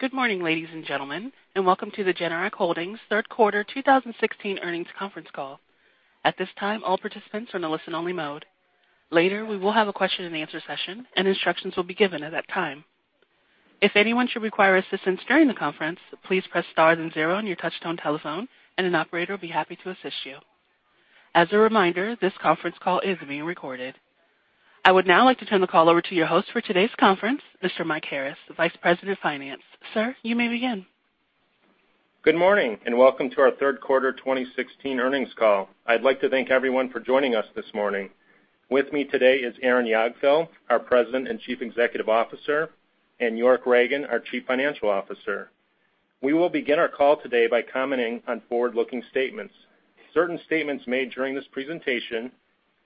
Good morning, ladies and gentlemen, welcome to the Generac Holdings Third Quarter 2016 Earnings Conference Call. At this time, all participants are in a listen-only mode. Later, we will have a question and answer session, instructions will be given at that time. If anyone should require assistance during the conference, please press star then zero on your touch-tone telephone, an operator will be happy to assist you. As a reminder, this conference call is being recorded. I would now like to turn the call over to your host for today's conference, Mr. Mike Harris, the Vice President of Finance. Sir, you may begin. Good morning, welcome to our third quarter 2016 earnings call. I'd like to thank everyone for joining us this morning. With me today is Aaron Jagdfeld, our President and Chief Executive Officer, York Ragen, our Chief Financial Officer. We will begin our call today by commenting on forward-looking statements. Certain statements made during this presentation,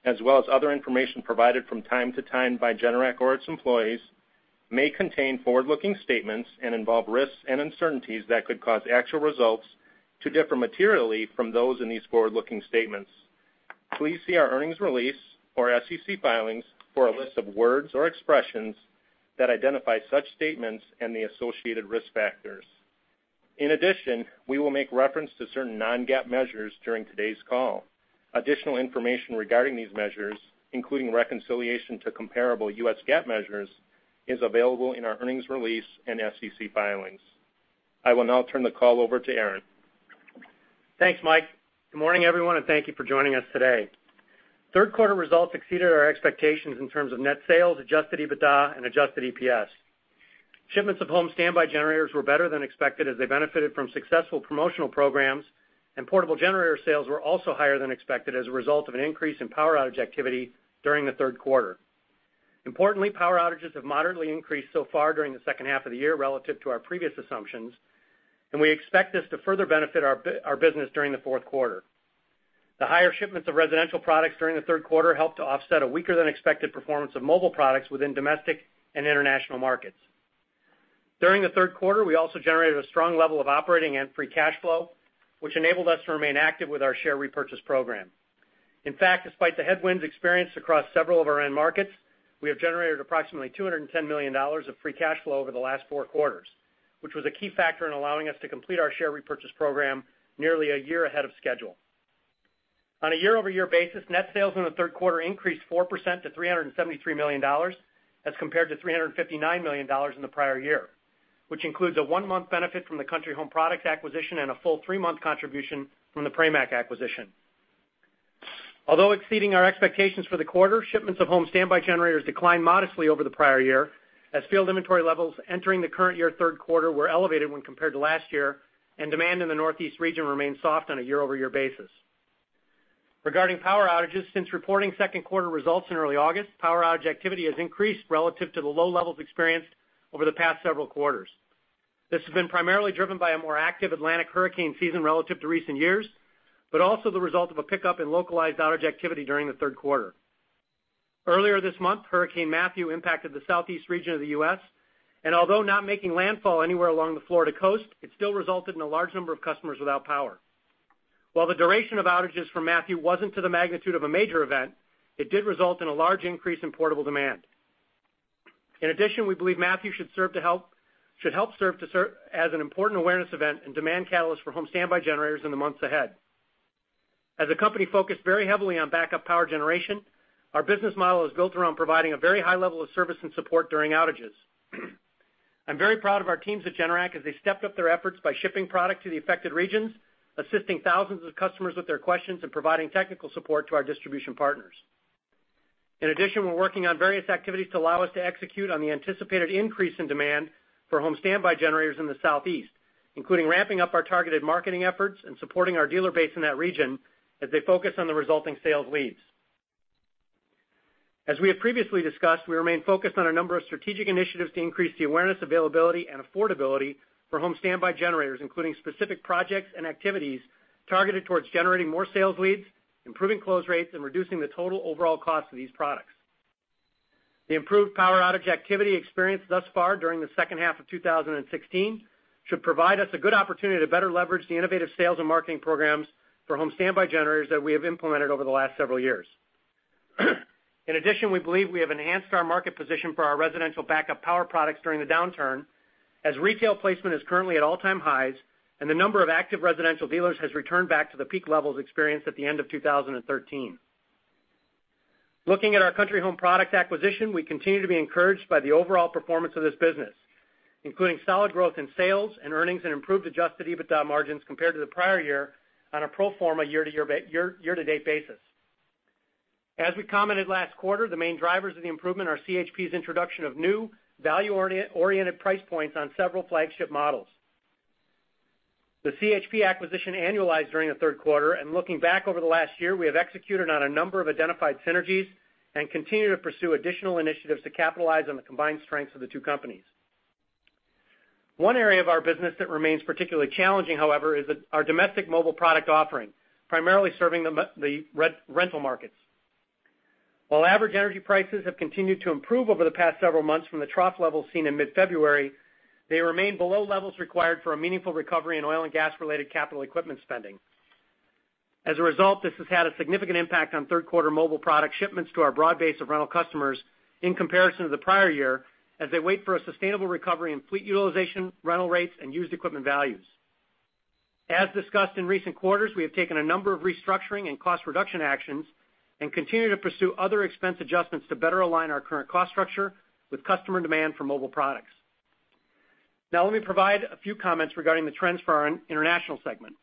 as well as other information provided from time to time by Generac or its employees, may contain forward-looking statements and involve risks and uncertainties that could cause actual results to differ materially from those in these forward-looking statements. Please see our earnings release or SEC filings for a list of words or expressions that identify such statements and the associated risk factors. In addition, we will make reference to certain non-GAAP measures during today's call. Additional information regarding these measures, including reconciliation to comparable U.S. GAAP measures, is available in our earnings release and SEC filings. I will now turn the call over to Aaron. Thanks, Mike. Good morning, everyone, thank you for joining us today. Third quarter results exceeded our expectations in terms of net sales, adjusted EBITDA, adjusted EPS. Shipments of home standby generators were better than expected as they benefited from successful promotional programs, portable generator sales were also higher than expected as a result of an increase in power outage activity during the third quarter. Importantly, power outages have moderately increased so far during the second half of the year relative to our previous assumptions, we expect this to further benefit our business during the fourth quarter. The higher shipments of residential products during the third quarter helped to offset a weaker-than-expected performance of mobile products within domestic and international markets. During the third quarter, we also generated a strong level of operating and free cash flow, which enabled us to remain active with our share repurchase program. In fact, despite the headwinds experienced across several of our end markets, we have generated approximately $210 million of free cash flow over the last four quarters, which was a key factor in allowing us to complete our share repurchase program nearly a year ahead of schedule. On a year-over-year basis, net sales in the third quarter increased 4% to $373 million as compared to $359 million in the prior year, which includes a one-month benefit from the Country Home Products acquisition and a full three-month contribution from the Pramac acquisition. Although exceeding our expectations for the quarter, shipments of home standby generators declined modestly over the prior year as field inventory levels entering the current year third quarter were elevated when compared to last year, and demand in the Northeast region remained soft on a year-over-year basis. Regarding power outages, since reporting second quarter results in early August, power outage activity has increased relative to the low levels experienced over the past several quarters. This has been primarily driven by a more active Atlantic hurricane season relative to recent years, but also the result of a pickup in localized outage activity during the third quarter. Earlier this month, Hurricane Matthew impacted the Southeast region of the U.S., and although not making landfall anywhere along the Florida coast, it still resulted in a large number of customers without power. While the duration of outages from Matthew wasn't to the magnitude of a major event, it did result in a large increase in portable demand. In addition, we believe Matthew should help serve as an important awareness event and demand catalyst for home standby generators in the months ahead. As a company focused very heavily on backup power generation, our business model is built around providing a very high level of service and support during outages. I'm very proud of our teams at Generac as they stepped up their efforts by shipping product to the affected regions, assisting thousands of customers with their questions, and providing technical support to our distribution partners. In addition, we're working on various activities to allow us to execute on the anticipated increase in demand for home standby generators in the Southeast, including ramping up our targeted marketing efforts and supporting our dealer base in that region as they focus on the resulting sales leads. As we have previously discussed, we remain focused on a number of strategic initiatives to increase the awareness, availability, and affordability for home standby generators, including specific projects and activities targeted towards generating more sales leads, improving close rates, and reducing the total overall cost of these products. The improved power outage activity experienced thus far during the second half of 2016 should provide us a good opportunity to better leverage the innovative sales and marketing programs for home standby generators that we have implemented over the last several years. We believe we have enhanced our market position for our residential backup power products during the downturn, as retail placement is currently at all-time highs, and the number of active residential dealers has returned back to the peak levels experienced at the end of 2013. Looking at our Country Home Products acquisition, we continue to be encouraged by the overall performance of this business, including solid growth in sales and earnings and improved adjusted EBITDA margins compared to the prior year on a pro forma year-to-date basis. As we commented last quarter, the main drivers of the improvement are CHP's introduction of new value-oriented price points on several flagship models. The CHP acquisition annualized during the third quarter. Looking back over the last year, we have executed on a number of identified synergies and continue to pursue additional initiatives to capitalize on the combined strengths of the two companies. One area of our business that remains particularly challenging, however, is our domestic mobile product offering, primarily serving the rental markets. While average energy prices have continued to improve over the past several months from the trough levels seen in mid-February, they remain below levels required for a meaningful recovery in oil and gas-related capital equipment spending. This has had a significant impact on third quarter mobile product shipments to our broad base of rental customers in comparison to the prior year, as they wait for a sustainable recovery in fleet utilization, rental rates, and used equipment values. As discussed in recent quarters, we have taken a number of restructuring and cost reduction actions and continue to pursue other expense adjustments to better align our current cost structure with customer demand for mobile products. Let me provide a few comments regarding the trends for our international segment.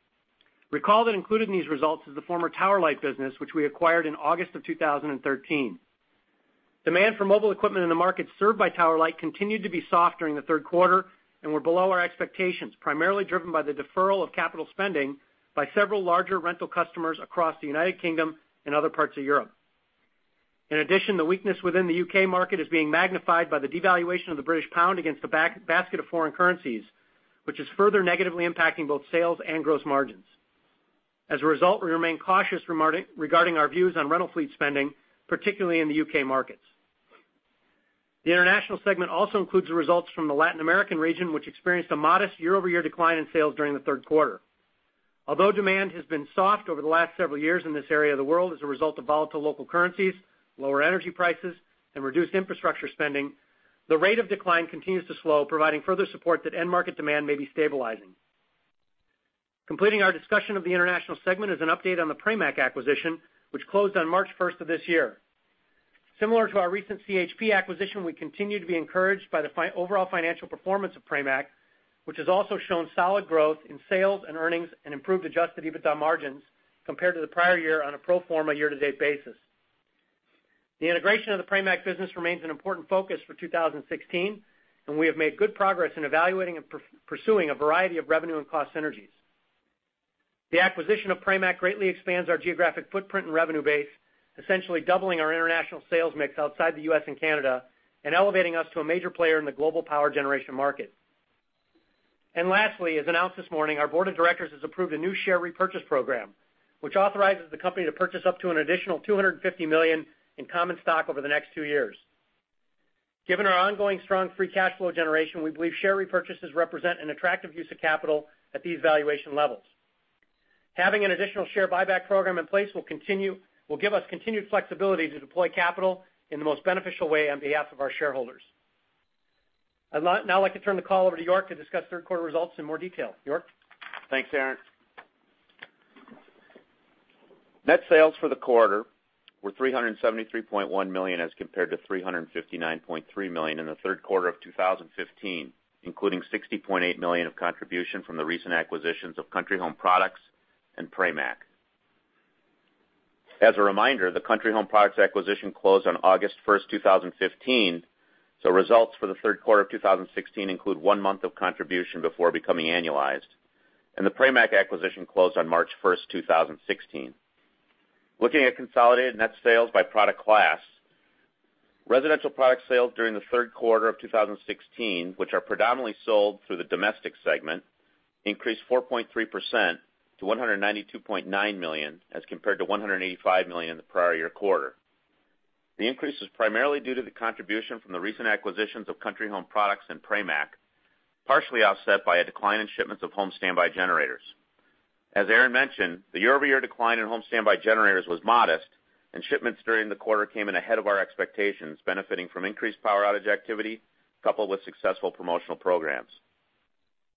Recall that included in these results is the former Tower Light business, which we acquired in August of 2013. Demand for mobile equipment in the market served by Tower Light continued to be soft during the third quarter and were below our expectations, primarily driven by the deferral of capital spending by several larger rental customers across the United Kingdom and other parts of Europe. In addition, the weakness within the U.K. market is being magnified by the devaluation of the British pound against the basket of foreign currencies, which is further negatively impacting both sales and gross margins. We remain cautious regarding our views on rental fleet spending, particularly in the U.K. markets. The international segment also includes the results from the Latin American region, which experienced a modest year-over-year decline in sales during the third quarter. Although demand has been soft over the last several years in this area of the world as a result of volatile local currencies, lower energy prices, and reduced infrastructure spending, the rate of decline continues to slow, providing further support that end market demand may be stabilizing. Completing our discussion of the international segment is an update on the Pramac acquisition, which closed on March 1st of this year. Similar to our recent CHP acquisition, we continue to be encouraged by the overall financial performance of Pramac, which has also shown solid growth in sales and earnings and improved adjusted EBITDA margins compared to the prior year on a pro forma year-to-date basis. The integration of the Pramac business remains an important focus for 2016, and we have made good progress in evaluating and pursuing a variety of revenue and cost synergies. The acquisition of Pramac greatly expands our geographic footprint and revenue base, essentially doubling our international sales mix outside the U.S. and Canada and elevating us to a major player in the global power generation market. Lastly, as announced this morning, our board of directors has approved a new share repurchase program, which authorizes the company to purchase up to an additional $250 million in common stock over the next two years. Given our ongoing strong free cash flow generation, we believe share repurchases represent an attractive use of capital at these valuation levels. Having an additional share buyback program in place will give us continued flexibility to deploy capital in the most beneficial way on behalf of our shareholders. I'd now like to turn the call over to York to discuss third quarter results in more detail. York? Thanks, Aaron. Net sales for the quarter were $373.1 million as compared to $359.3 million in the third quarter of 2015, including $60.8 million of contribution from the recent acquisitions of Country Home Products and Pramac. As a reminder, the Country Home Products acquisition closed on August 1st, 2015, so results for the third quarter of 2016 include one month of contribution before becoming annualized. The Pramac acquisition closed on March 1st, 2016. Looking at consolidated net sales by product class, residential product sales during the third quarter of 2016, which are predominantly sold through the domestic segment, increased 4.3% to $192.9 million as compared to $185 million in the prior year quarter. The increase is primarily due to the contribution from the recent acquisitions of Country Home Products and Pramac, partially offset by a decline in shipments of home standby generators. As Aaron mentioned, the year-over-year decline in home standby generators was modest, and shipments during the quarter came in ahead of our expectations, benefiting from increased power outage activity coupled with successful promotional programs.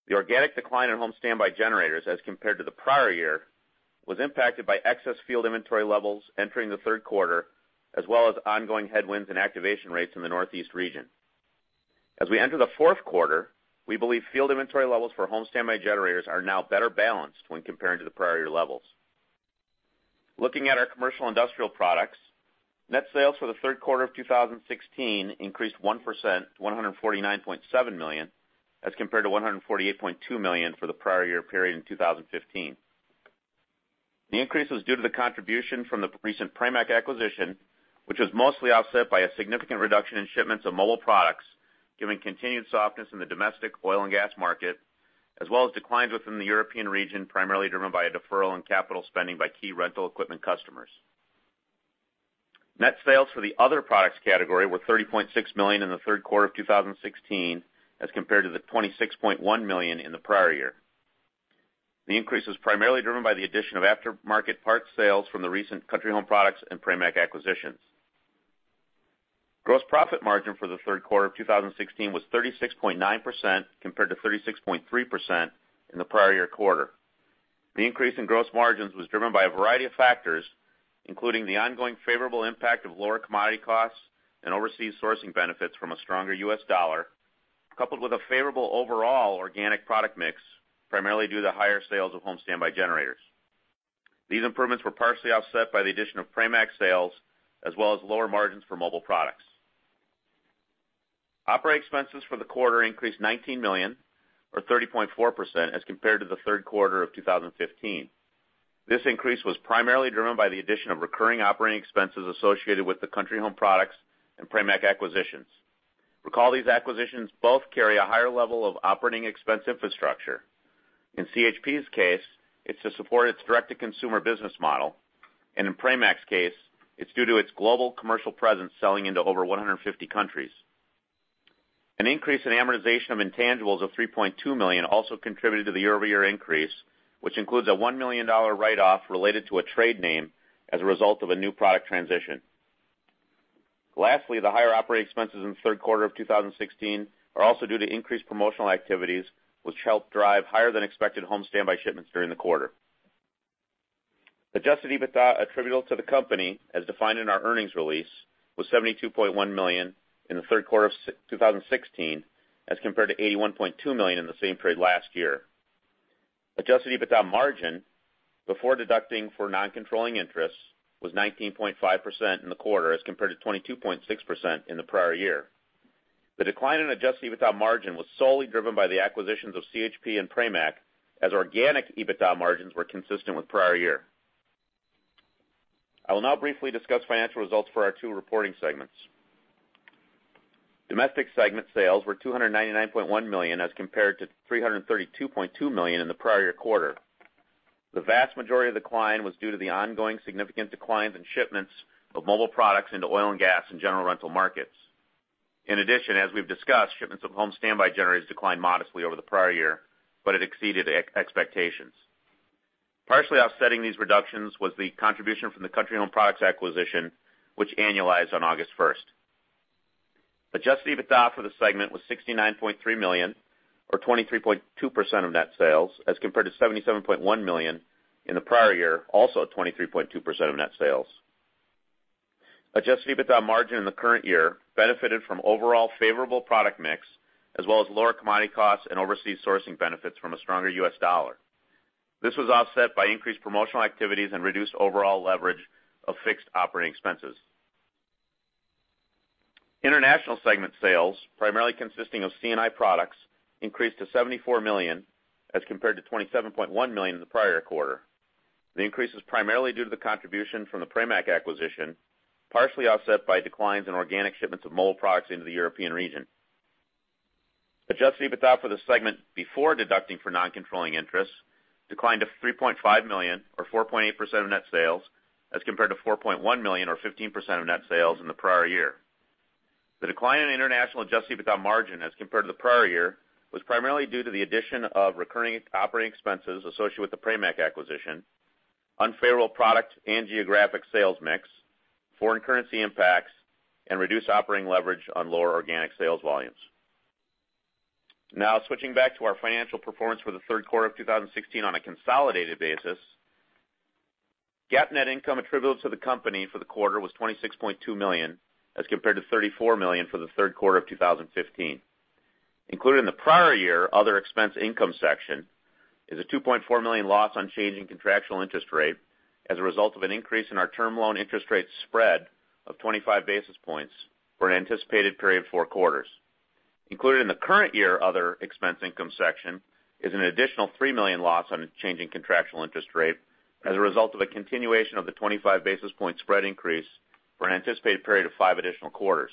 The organic decline in home standby generators as compared to the prior year was impacted by excess field inventory levels entering the third quarter, as well as ongoing headwinds and activation rates in the Northeast region. As we enter the fourth quarter, we believe field inventory levels for home standby generators are now better balanced when comparing to the prior year levels. Looking at our commercial industrial products, net sales for the third quarter of 2016 increased 1% to $149.7 million as compared to $148.2 million for the prior year period in 2015. The increase was due to the contribution from the recent Pramac acquisition, which was mostly offset by a significant reduction in shipments of mobile products given continued softness in the domestic oil and gas market, as well as declines within the European region, primarily driven by a deferral in capital spending by key rental equipment customers. Net sales for the other products category were $30.6 million in the third quarter of 2016 as compared to the $26.1 million in the prior year. The increase was primarily driven by the addition of aftermarket parts sales from the recent Country Home Products and Pramac acquisitions. Gross profit margin for the third quarter of 2016 was 36.9% compared to 36.3% in the prior year quarter. The increase in gross margins was driven by a variety of factors, including the ongoing favorable impact of lower commodity costs and overseas sourcing benefits from a stronger U.S. dollar, coupled with a favorable overall organic product mix, primarily due to higher sales of home standby generators. These improvements were partially offset by the addition of Pramac sales as well as lower margins for mobile products. Operating expenses for the quarter increased $19 million, or 30.4%, as compared to the third quarter of 2015. This increase was primarily driven by the addition of recurring operating expenses associated with the Country Home Products and Pramac acquisitions. Recall these acquisitions both carry a higher level of operating expense infrastructure. In CHP's case, it's to support its direct-to-consumer business model, and in Pramac's case, it's due to its global commercial presence selling into over 150 countries. An increase in amortization of intangibles of $3.2 million also contributed to the year-over-year increase, which includes a $1 million write-off related to a trade name as a result of a new product transition. Lastly, the higher operating expenses in the third quarter of 2016 are also due to increased promotional activities, which helped drive higher than expected home standby shipments during the quarter. Adjusted EBITDA attributable to the company, as defined in our earnings release, was $72.1 million in the third quarter of 2016 as compared to $81.2 million in the same period last year. Adjusted EBITDA margin, before deducting for non-controlling interests, was 19.5% in the quarter as compared to 22.6% in the prior year. The decline in adjusted EBITDA margin was solely driven by the acquisitions of CHP and Pramac as organic EBITDA margins were consistent with prior year. I will now briefly discuss financial results for our two reporting segments. Domestic segment sales were $299.1 million as compared to $332.2 million in the prior year quarter. The vast majority of decline was due to the ongoing significant declines in shipments of mobile products into oil and gas and general rental markets. In addition, as we've discussed, shipments of home standby generators declined modestly over the prior year, but it exceeded expectations. Partially offsetting these reductions was the contribution from the Country Home Products acquisition, which annualized on August 1st. Adjusted EBITDA for the segment was $69.3 million, or 23.2% of net sales, as compared to $77.1 million in the prior year, also at 23.2% of net sales. Adjusted EBITDA margin in the current year benefited from overall favorable product mix as well as lower commodity costs and overseas sourcing benefits from a stronger U.S. dollar. This was offset by increased promotional activities and reduced overall leverage of fixed operating expenses. International segment sales, primarily consisting of C&I Products, increased to $74 million as compared to $27.1 million in the prior quarter. The increase is primarily due to the contribution from the Pramac acquisition, partially offset by declines in organic shipments of mobile products into the European region. Adjusted EBITDA for the segment before deducting for non-controlling interests declined to $3.5 million or 4.8% of net sales as compared to $4.1 million or 15% of net sales in the prior year. The decline in international adjusted EBITDA margin as compared to the prior year was primarily due to the addition of recurring operating expenses associated with the Pramac acquisition, unfavorable product and geographic sales mix, foreign currency impacts, and reduced operating leverage on lower organic sales volumes. Now switching back to our financial performance for the third quarter of 2016 on a consolidated basis. GAAP net income attributable to the company for the quarter was $26.2 million as compared to $34 million for the third quarter of 2015. Included in the prior year other expense income section is a $2.4 million loss on change in contractual interest rate as a result of an increase in our term loan interest rate spread of 25 basis points for an anticipated period of four quarters. Included in the current year other expense income section is an additional $3 million loss on a change in contractual interest rate as a result of a continuation of the 25 basis point spread increase for an anticipated period of five additional quarters.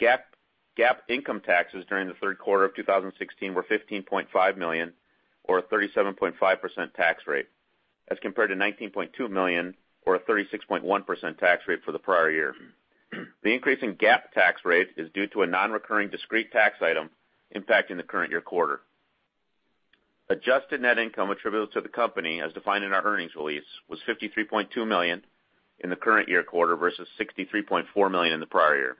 GAAP income taxes during the third quarter of 2016 were $15.5 million or a 37.5% tax rate as compared to $19.2 million or a 36.1% tax rate for the prior year. The increase in GAAP tax rate is due to a non-recurring discrete tax item impacting the current year quarter. Adjusted net income attributable to the company, as defined in our earnings release, was $53.2 million in the current year quarter versus $63.4 million in the prior year.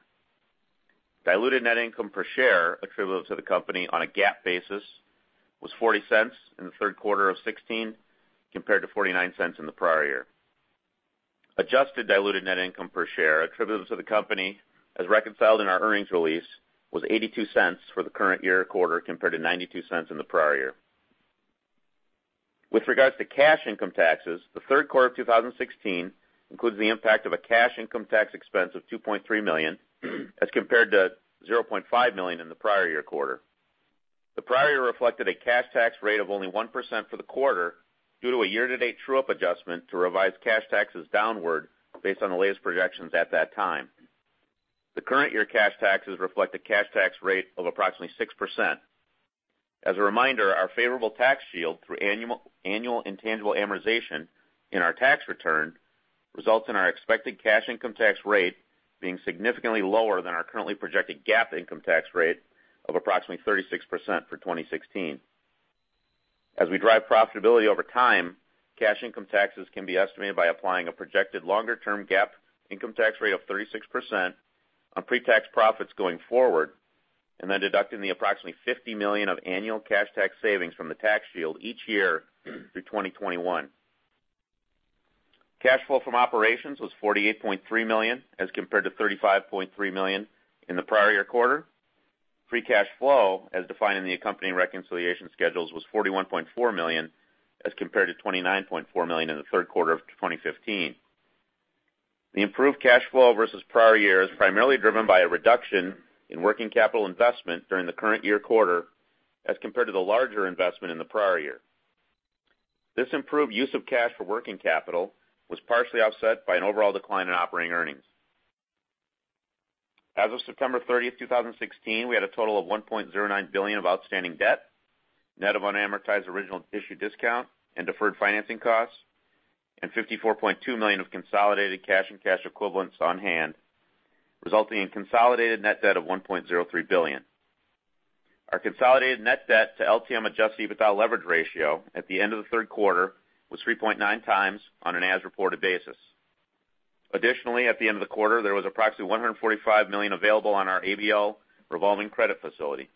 Diluted net income per share attributable to the company on a GAAP basis was $0.40 in the third quarter of 2016 compared to $0.49 in the prior year. Adjusted diluted net income per share attributable to the company, as reconciled in our earnings release, was $0.82 for the current year quarter compared to $0.92 in the prior year. With regards to cash income taxes, the third quarter of 2016 includes the impact of a cash income tax expense of $2.3 million as compared to $0.5 million in the prior year quarter. The prior year reflected a cash tax rate of only 1% for the quarter due to a year-to-date true-up adjustment to revise cash taxes downward based on the latest projections at that time. The current year cash taxes reflect a cash tax rate of approximately 6%. As a reminder, our favorable tax shield through annual intangible amortization in our tax return results in our expected cash income tax rate being significantly lower than our currently projected GAAP income tax rate of approximately 36% for 2016. As we drive profitability over time, cash income taxes can be estimated by applying a projected longer-term GAAP income tax rate of 36% on pre-tax profits going forward, then deducting the approximately $50 million of annual cash tax savings from the tax shield each year through 2021. Cash flow from operations was $48.3 million as compared to $35.3 million in the prior year quarter. Free cash flow, as defined in the accompanying reconciliation schedules, was $41.4 million as compared to $29.4 million in the third quarter of 2015. The improved cash flow versus prior year is primarily driven by a reduction in working capital investment during the current year quarter as compared to the larger investment in the prior year. This improved use of cash for working capital was partially offset by an overall decline in operating earnings. As of September 30th, 2016, we had a total of $1.09 billion of outstanding debt net of unamortized original issue discount and deferred financing costs. $54.2 million of consolidated cash and cash equivalents on hand, resulting in consolidated net debt of $1.03 billion. Our consolidated net debt to LTM adjusted EBITDA leverage ratio at the end of the third quarter was 3.9x on an as-reported basis. Additionally, at the end of the quarter, there was approximately $145 million available on our ABL revolving credit facility.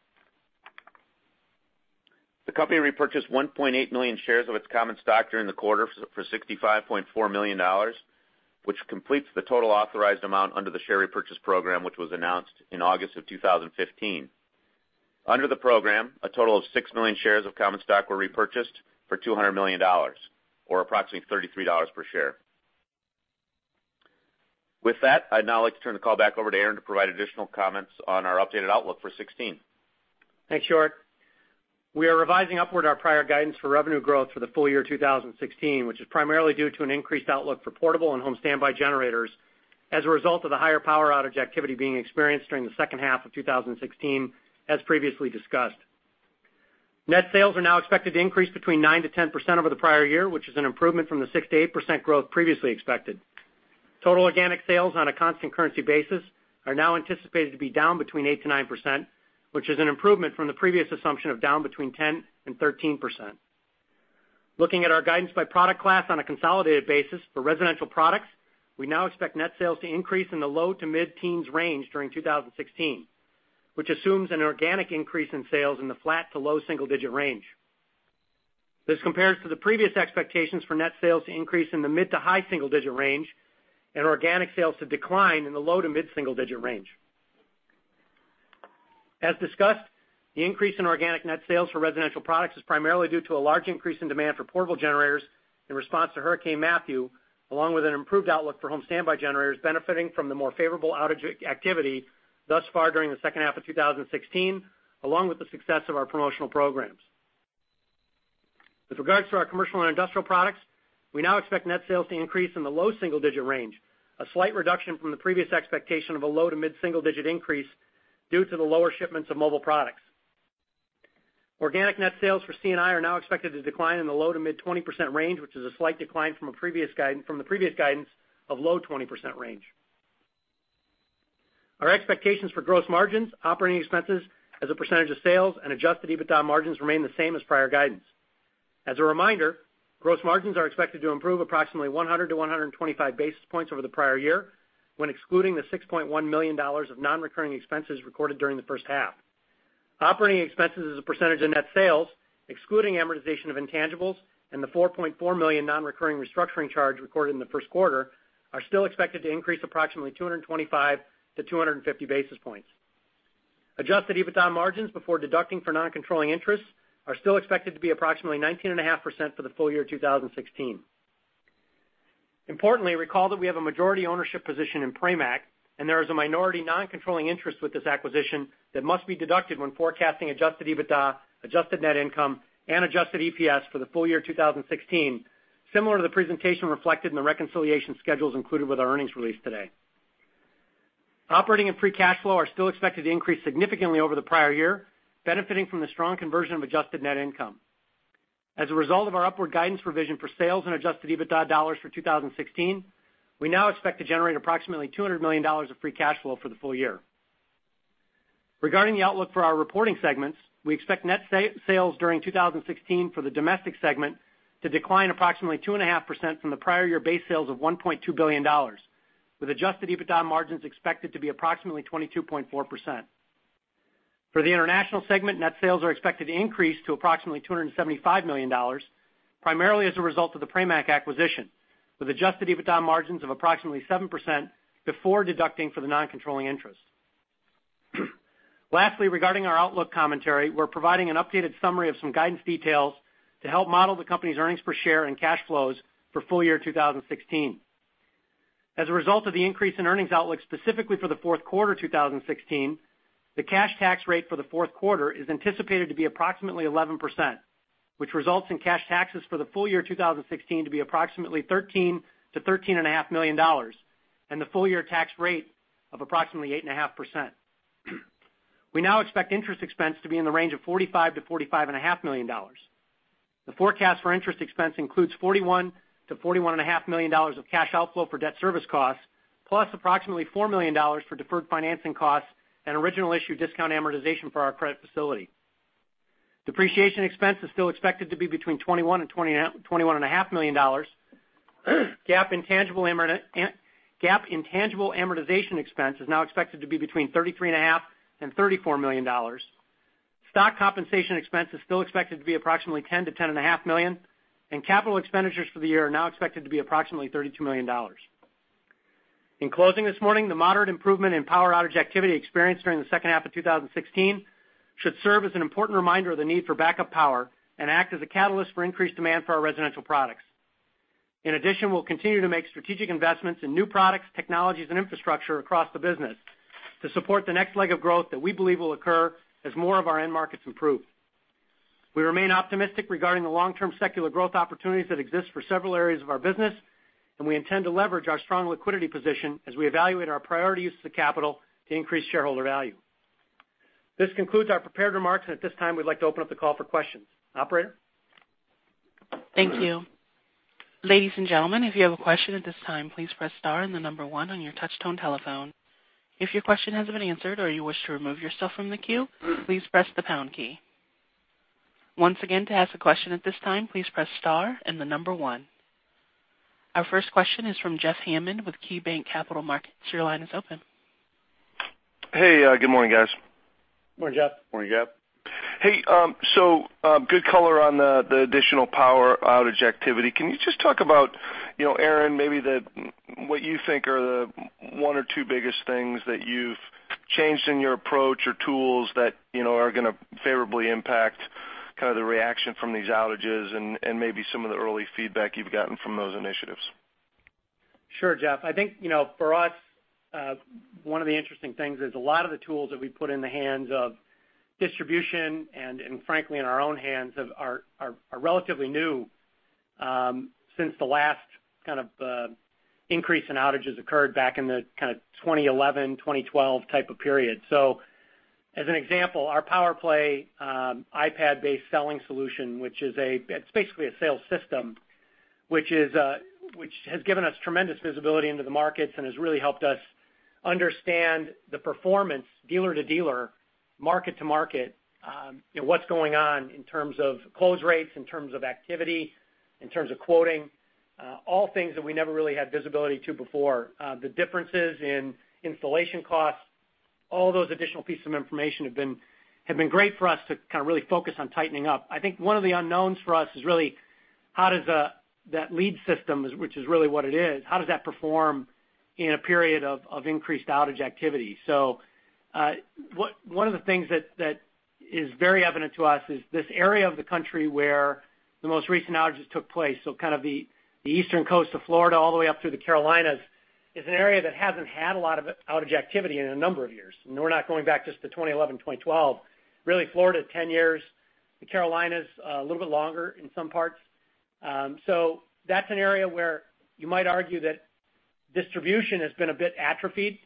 The company repurchased 1.8 million shares of its common stock during the quarter for $65.4 million, which completes the total authorized amount under the share repurchase program, which was announced in August of 2015. Under the program, a total of 6 million shares of common stock were repurchased for $200 million, or approximately $33 per share. With that, I'd now like to turn the call back over to Aaron to provide additional comments on our updated outlook for 2016. Thanks, York. We are revising upward our prior guidance for revenue growth for the full year 2016, which is primarily due to an increased outlook for portable and home standby generators as a result of the higher power outage activity being experienced during the second half of 2016, as previously discussed. Net sales are now expected to increase between 9%-10% over the prior year, which is an improvement from the 6%-8% growth previously expected. Total organic sales on a constant currency basis are now anticipated to be down between 8%-9%, which is an improvement from the previous assumption of down between 10% and 13%. Looking at our guidance by product class on a consolidated basis for residential products, we now expect net sales to increase in the low to mid-teens range during 2016, which assumes an organic increase in sales in the flat to low single-digit range. This compares to the previous expectations for net sales to increase in the mid to high single-digit range and organic sales to decline in the low to mid-single digit range. As discussed, the increase in organic net sales for residential products is primarily due to a large increase in demand for portable generators in response to Hurricane Matthew, along with an improved outlook for home standby generators benefiting from the more favorable outage activity thus far during the second half of 2016, along with the success of our promotional programs. With regards to our commercial and industrial products, we now expect net sales to increase in the low single-digit range, a slight reduction from the previous expectation of a low to mid-single digit increase due to the lower shipments of mobile products. Organic net sales for C&I are now expected to decline in the low to mid 20% range, which is a slight decline from the previous guidance of low 20% range. Our expectations for gross margins, operating expenses as a percentage of sales, and adjusted EBITDA margins remain the same as prior guidance. As a reminder, gross margins are expected to improve approximately 100 to 125 basis points over the prior year when excluding the $6.1 million of non-recurring expenses recorded during the first half. Operating expenses as a percentage of net sales, excluding amortization of intangibles and the $4.4 million non-recurring restructuring charge recorded in the first quarter, are still expected to increase approximately 225 to 250 basis points. Adjusted EBITDA margins before deducting for non-controlling interests are still expected to be approximately 19.5% for the full year 2016. Importantly, recall that we have a majority ownership position in Pramac, and there is a minority non-controlling interest with this acquisition that must be deducted when forecasting adjusted EBITDA, adjusted net income, and adjusted EPS for the full year 2016, similar to the presentation reflected in the reconciliation schedules included with our earnings release today. Operating and free cash flow are still expected to increase significantly over the prior year, benefiting from the strong conversion of adjusted net income. As a result of our upward guidance revision for sales and adjusted EBITDA dollars for 2016, we now expect to generate approximately $200 million of free cash flow for the full year. Regarding the outlook for our reporting segments, we expect net sales during 2016 for the domestic segment to decline approximately 2.5% from the prior year base sales of $1.2 billion, with adjusted EBITDA margins expected to be approximately 22.4%. For the international segment, net sales are expected to increase to approximately $275 million, primarily as a result of the Pramac acquisition, with adjusted EBITDA margins of approximately 7% before deducting for the non-controlling interest. Lastly, regarding our outlook commentary, we are providing an updated summary of some guidance details to help model the company's earnings per share and cash flows for full year 2016. As a result of the increase in earnings outlook, specifically for the fourth quarter 2016, the cash tax rate for the fourth quarter is anticipated to be approximately 11%, which results in cash taxes for the full year 2016 to be approximately $13 million-$13.5 million, and the full year tax rate of approximately 8.5%. We now expect interest expense to be in the range of $45 million-$45.5 million. The forecast for interest expense includes $41 million-$41.5 million of cash outflow for debt service costs, plus approximately $4 million for deferred financing costs and original issue discount amortization for our credit facility. Depreciation expense is still expected to be between $21 million and $21.5 million. GAAP intangible amortization expense is now expected to be between $33.5 million and $34 million. Stock compensation expense is still expected to be approximately $10 million-$10.5 million, and capital expenditures for the year are now expected to be approximately $32 million. In closing this morning, the moderate improvement in power outage activity experienced during the second half of 2016 should serve as an important reminder of the need for backup power and act as a catalyst for increased demand for our residential products. In addition, we'll continue to make strategic investments in new products, technologies, and infrastructure across the business to support the next leg of growth that we believe will occur as more of our end markets improve. We remain optimistic regarding the long-term secular growth opportunities that exist for several areas of our business. We intend to leverage our strong liquidity position as we evaluate our priorities to capital to increase shareholder value. This concludes our prepared remarks. At this time, we'd like to open up the call for questions. Operator? Thank you. Ladies and gentlemen, if you have a question at this time, please press star and the number one on your touch-tone telephone. If your question has been answered or you wish to remove yourself from the queue, please press the pound key. Once again, to ask a question at this time, please press star and the number one. Our first question is from Jeff Hammond with KeyBanc Capital Markets. Your line is open. Hey, good morning, guys. Morning, Jeff. Morning, Jeff. Hey, good color on the additional power outage activity. Can you just talk about, Aaron, maybe what you think are the one or two biggest things that you've changed in your approach or tools that are going to favorably impact the reaction from these outages and maybe some of the early feedback you've gotten from those initiatives? Sure, Jeff. I think, for us, one of the interesting things is a lot of the tools that we put in the hands of distribution and frankly, in our own hands, are relatively new since the last increase in outages occurred back in the 2011, 2012 type of period. As an example, our PowerPlay iPad-based selling solution, which is basically a sales system, which has given us tremendous visibility into the markets and has really helped us understand the performance dealer to dealer, market to market. What's going on in terms of close rates, in terms of activity, in terms of quoting, all things that we never really had visibility to before. The differences in installation costs, all those additional pieces of information have been great for us to really focus on tightening up. I think one of the unknowns for us is really how does that lead system, which is really what it is, how does that perform in a period of increased outage activity? One of the things that is very evident to us is this area of the country where the most recent outages took place. The Eastern Coast of Florida, all the way up through the Carolinas, is an area that hasn't had a lot of outage activity in a number of years. We're not going back just to 2011, 2012. Really, Florida, 10 years, the Carolinas, a little bit longer in some parts. That's an area where you might argue that distribution has been a bit atrophied,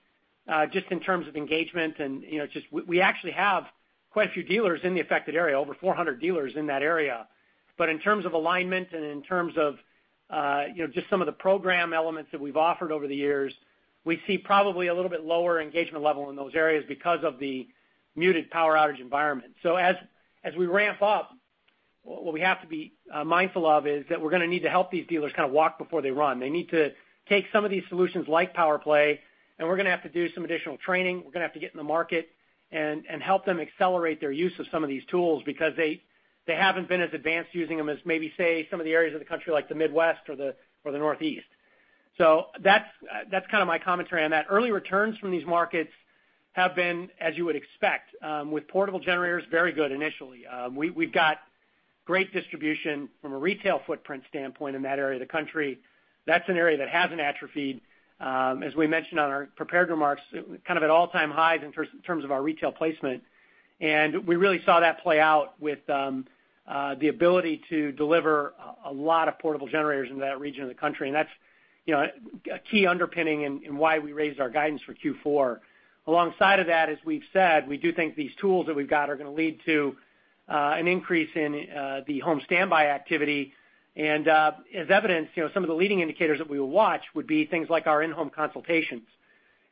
just in terms of engagement and we actually have quite a few dealers in the affected area, over 400 dealers in that area. In terms of alignment and in terms of just some of the program elements that we've offered over the years, we see probably a little bit lower engagement level in those areas because of the muted power outage environment. As we ramp up, what we have to be mindful of is that we're going to need to help these dealers walk before they run. They need to take some of these solutions like PowerPlay, and we're going to have to do some additional training. We're going to have to get in the market and help them accelerate their use of some of these tools because they haven't been as advanced using them as maybe, say, some of the areas of the country like the Midwest or the Northeast. That's my commentary on that. Early returns from these markets have been, as you would expect, with portable generators, very good initially. We've got great distribution from a retail footprint standpoint in that area of the country. That's an area that hasn't atrophied. As we mentioned on our prepared remarks, at all-time highs in terms of our retail placement. We really saw that play out with the ability to deliver a lot of portable generators in that region of the country. That's a key underpinning in why we raised our guidance for Q4. Alongside of that, as we've said, we do think these tools that we've got are going to lead to an increase in the home standby activity. As evidenced, some of the leading indicators that we will watch would be things like our in-home consultations.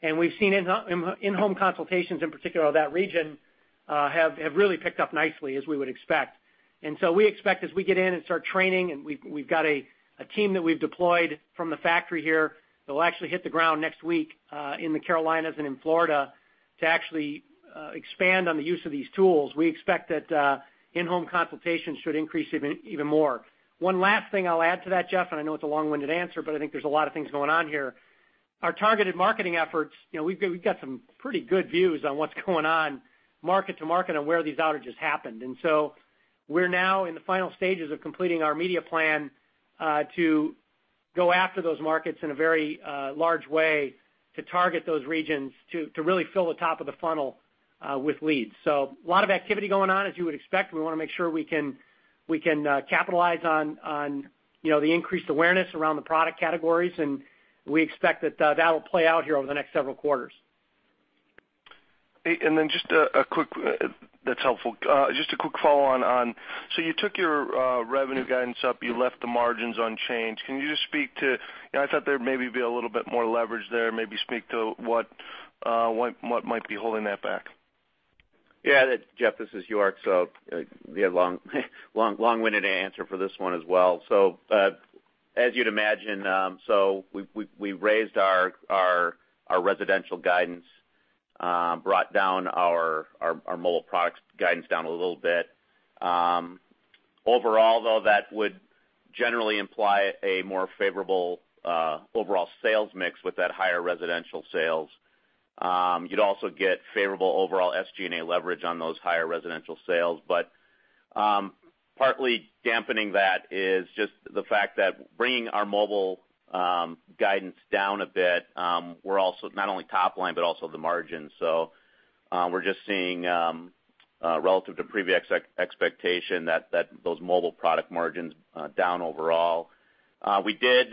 We've seen in-home consultations, in particular of that region, have really picked up nicely as we would expect. We expect as we get in and start training, and we've got a team that we've deployed from the factory here that will actually hit the ground next week, in the Carolinas and in Florida to actually expand on the use of these tools. We expect that in-home consultations should increase even more. One last thing I'll add to that, Jeff, and I know it's a long-winded answer, but I think there's a lot of things going on here. Our targeted marketing efforts, we've got some pretty good views on what's going on market to market on where these outages happened. We're now in the final stages of completing our media plan, to go after those markets in a very large way to target those regions to really fill the top of the funnel with leads. A lot of activity going on as you would expect. We want to make sure we can capitalize on the increased awareness around the product categories, and we expect that that'll play out here over the next several quarters. Hey, that's helpful. Just a quick follow-on on, you took your revenue guidance up, you left the margins unchanged. Can you just speak to, I thought there'd maybe be a little bit more leverage there. Maybe speak to what might be holding that back. Yeah, Jeff, this is York. Long-winded answer for this one as well. As you'd imagine, we raised our residential guidance, brought down our mobile products guidance down a little bit. Overall, though, that would generally imply a more favorable overall sales mix with that higher residential sales. You'd also get favorable overall SG&A leverage on those higher residential sales. Partly dampening that is just the fact that bringing our mobile guidance down a bit, we're also not only top line, but also the margin. We're just seeing, relative to previous expectation that those mobile product margins down overall. We did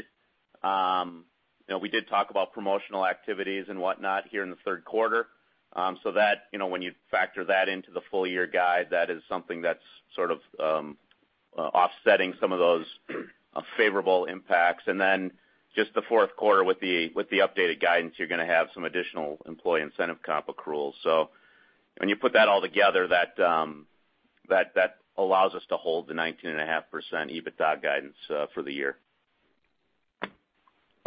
talk about promotional activities and whatnot here in the third quarter. When you factor that into the full year guide, that is something that's sort of offsetting some of those favorable impacts. Just the fourth quarter with the updated guidance, you're going to have some additional employee incentive comp accrual. When you put that all together, that allows us to hold the 19.5% EBITDA guidance for the year.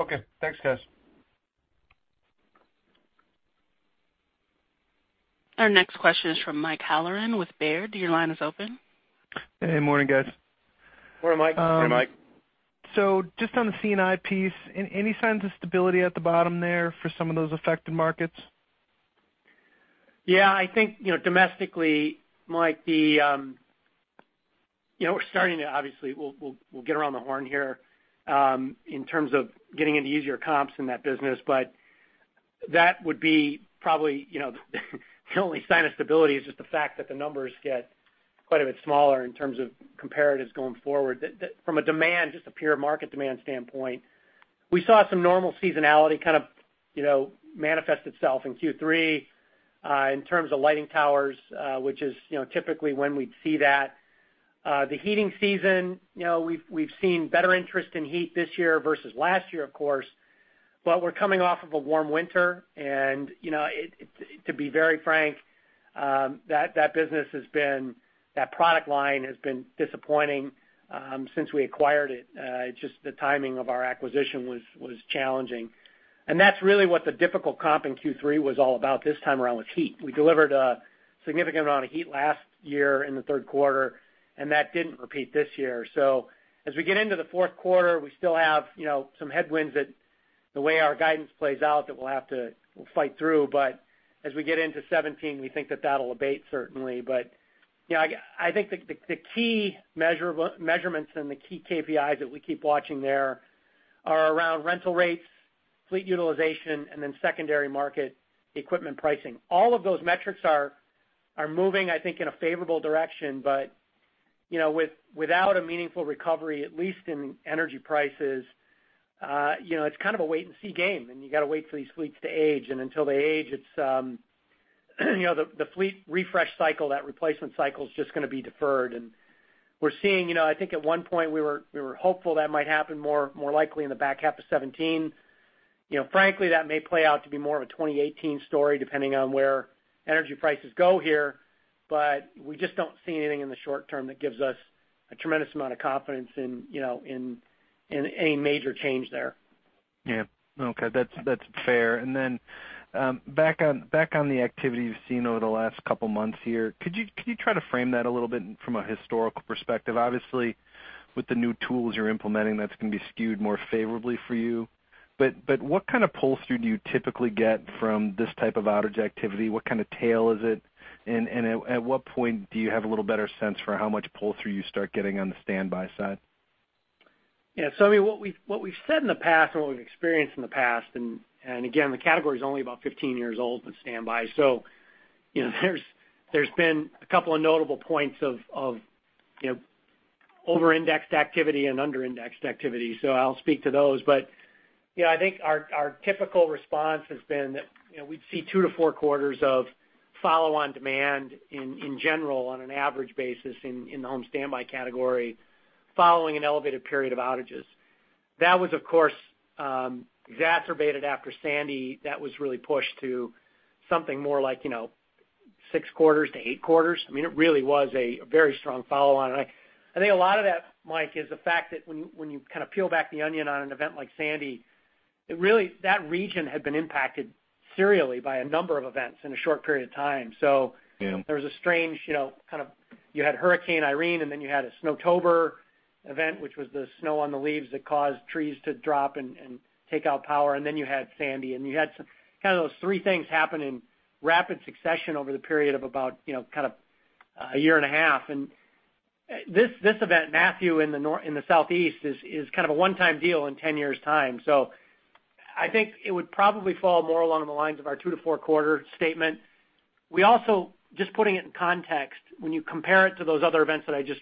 Okay, thanks guys. Our next question is from Mike Halloran with Baird. Your line is open. Hey, morning guys. Morning, Mike. Morning, Mike. Just on the C&I piece, any signs of stability at the bottom there for some of those affected markets? Yeah, I think, domestically, Mike, obviously, we'll get around the horn here, in terms of getting into easier comps in that business. That would be probably the only sign of stability is just the fact that the numbers get quite a bit smaller in terms of comparatives going forward. From a demand, just a pure market demand standpoint, we saw some normal seasonality kind of manifest itself in Q3, in terms of lighting towers, which is typically when we'd see that. The heating season, we've seen better interest in heat this year versus last year of course, but we're coming off of a warm winter and to be very frank, that product line has been disappointing since we acquired it. Just the timing of our acquisition was challenging, and that's really what the difficult comp in Q3 was all about this time around with heat. We delivered a significant amount of heat last year in the third quarter, and that didn't repeat this year. As we get into the fourth quarter, we still have some headwinds that the way our guidance plays out that we'll have to fight through. As we get into 2017, we think that that'll abate certainly. I think the key measurements and the key KPIs that we keep watching there are around rental rates, fleet utilization, and then secondary market equipment pricing. All of those metrics are moving, I think, in a favorable direction, but without a meaningful recovery, at least in energy prices, it's kind of a wait-and-see game, and you got to wait for these fleets to age. Until they age, the fleet refresh cycle, that replacement cycle's just going to be deferred. We're seeing, I think at one point we were hopeful that might happen more likely in the back half of 2017. Frankly, that may play out to be more of a 2018 story, depending on where energy prices go here, we just don't see anything in the short term that gives us a tremendous amount of confidence in any major change there. Yeah. Okay, that's fair. Back on the activity you've seen over the last couple of months here, could you try to frame that a little bit from a historical perspective? Obviously, with the new tools you're implementing, that's going to be skewed more favorably for you, what kind of pull-through do you typically get from this type of outage activity? What kind of tail is it? At what point do you have a little better sense for how much pull-through you start getting on the standby side? Yeah. What we've said in the past and what we've experienced in the past, the category's only about 15 years old with standby, there's been a couple of notable points of over-indexed activity and under-indexed activity. I'll speak to those. I think our typical response has been that we'd see two to four quarters of follow-on demand in general on an average basis in the home standby category following an elevated period of outages. That was, of course, exacerbated after Hurricane Sandy. That was really pushed to something more like six quarters to eight quarters. It really was a very strong follow-on. I think a lot of that, Mike, is the fact that when you kind of peel back the onion on an event like Sandy, that region had been impacted serially by a number of events in a short period of time. Yeah. There was a strange kind of you had Hurricane Irene, then you had a Snowtober event, which was the snow on the leaves that caused trees to drop and take out power, then you had Sandy. You had kind of those three things happen in rapid succession over the period of about a year and a half. This event, Matthew in the southeast, is kind of a one-time deal in 10 years' time. I think it would probably fall more along the lines of our two- to four-quarter statement. We also, just putting it in context, when you compare it to those other events that I just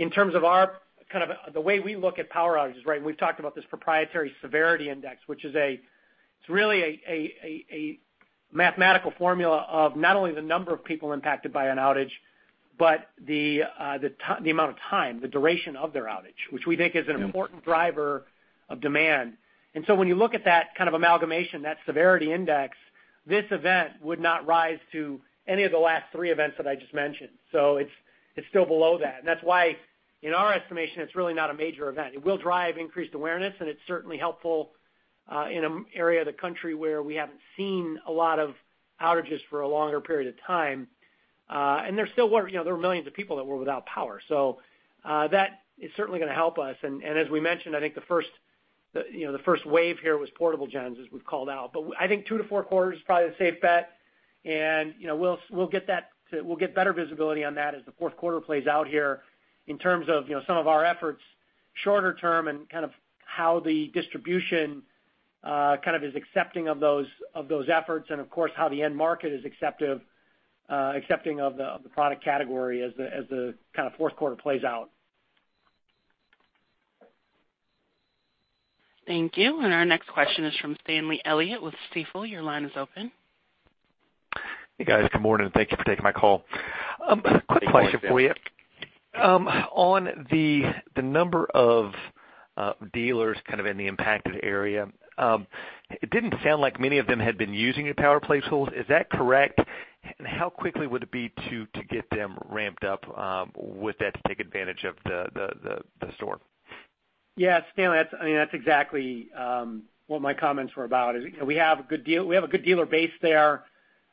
mentioned, in terms of the way we look at power outages, right? We've talked about this proprietary severity index, which is really a mathematical formula of not only the number of people impacted by an outage, but the amount of time, the duration of their outage, which we think is an important driver of demand. When you look at that kind of amalgamation, that severity index, this event would not rise to any of the last three events that I just mentioned. It's still below that, and that's why, in our estimation, it's really not a major event. It will drive increased awareness, and it's certainly helpful, in an area of the country where we haven't seen a lot of outages for a longer period of time. There were millions of people that were without power, so that is certainly going to help us. As we mentioned, I think the first wave here was portable gens, as we've called out. I think two to four quarters is probably the safe bet, and we'll get better visibility on that as the fourth quarter plays out here in terms of some of our efforts shorter term and kind of how the distribution is accepting of those efforts and, of course, how the end market is accepting of the product category as the kind of fourth quarter plays out. Thank you. Our next question is from Stanley Elliott with Stifel. Your line is open. Hey, guys. Good morning. Thank you for taking my call. Good morning, Stanley. Quick question for you. On the number of dealers kind of in the impacted area, it didn't sound like many of them had been using your PowerPlay tools. Is that correct? How quickly would it be to get them ramped up with that to take advantage of the storm? Yeah. Stanley, that's exactly what my comments were about. We have a good dealer base there.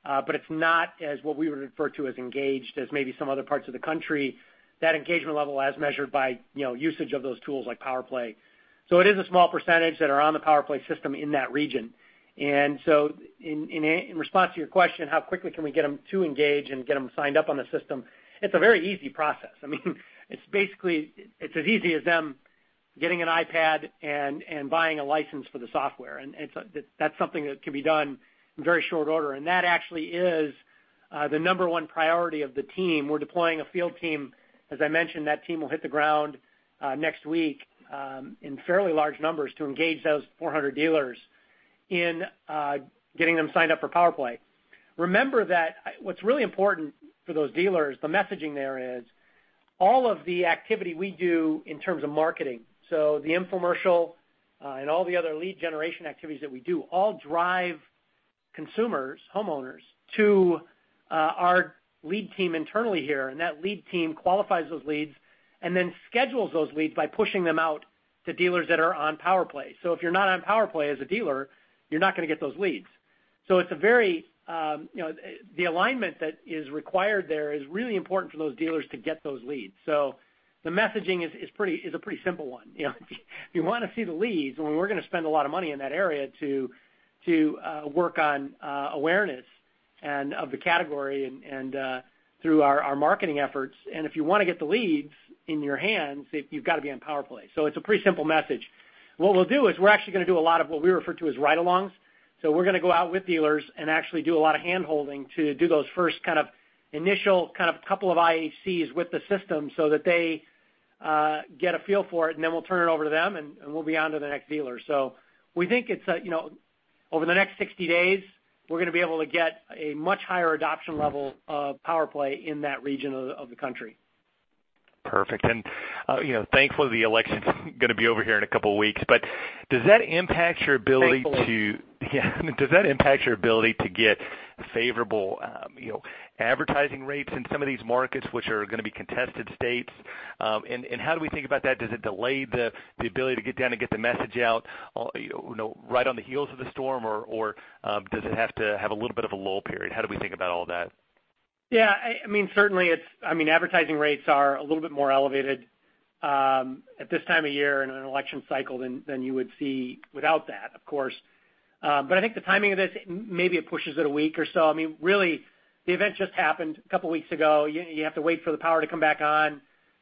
It's not as what we would refer to as engaged as maybe some other parts of the country. That engagement level as measured by usage of those tools like PowerPlay. It is a small percentage that are on the PowerPlay system in that region. In response to your question, how quickly can we get them to engage and get them signed up on the system, it's a very easy process. I mean it's as easy as them getting an iPad and buying a license for the software. That's something that can be done in very short order. That actually is the number one priority of the team. We're deploying a field team. As I mentioned, that team will hit the ground next week in fairly large numbers to engage those 400 dealers in getting them signed up for PowerPlay. Remember that what's really important for those dealers, the messaging there is all of the activity we do in terms of marketing, the infomercial, and all the other lead generation activities that we do all drive consumers, homeowners, to our lead team internally here. That lead team qualifies those leads and then schedules those leads by pushing them out to dealers that are on PowerPlay. If you're not on PowerPlay as a dealer, you're not going to get those leads. The alignment that is required there is really important for those dealers to get those leads. The messaging is a pretty simple one. If you want to see the leads, we're going to spend a lot of money in that area to work on awareness of the category and through our marketing efforts, and if you want to get the leads in your hands, you've got to be on PowerPlay. It's a pretty simple message. What we'll do is we're actually going to do a lot of what we refer to as ride-alongs. We're going to go out with dealers and actually do a lot of handholding to do those first kind of initial kind of couple of IHCs with the system so that they get a feel for it, and then we'll turn it over to them, and we'll be on to the next dealer. We think over the next 60 days, we're going to be able to get a much higher adoption level of PowerPlay in that region of the country. Perfect. Thankfully, the election's going to be over here in a couple of weeks. Does that impact your ability? Thankfully. Yeah. Does that impact your ability to get favorable advertising rates in some of these markets, which are going to be contested states? How do we think about that? Does it delay the ability to get down and get the message out right on the heels of the storm, or does it have to have a little bit of a lull period? How do we think about all of that? Yeah. Certainly, advertising rates are a little bit more elevated at this time of year in an election cycle than you would see without that, of course. I think the timing of this, maybe it pushes it a week or so. Really, the event just happened a couple of weeks ago. You have to wait for the power to come back on.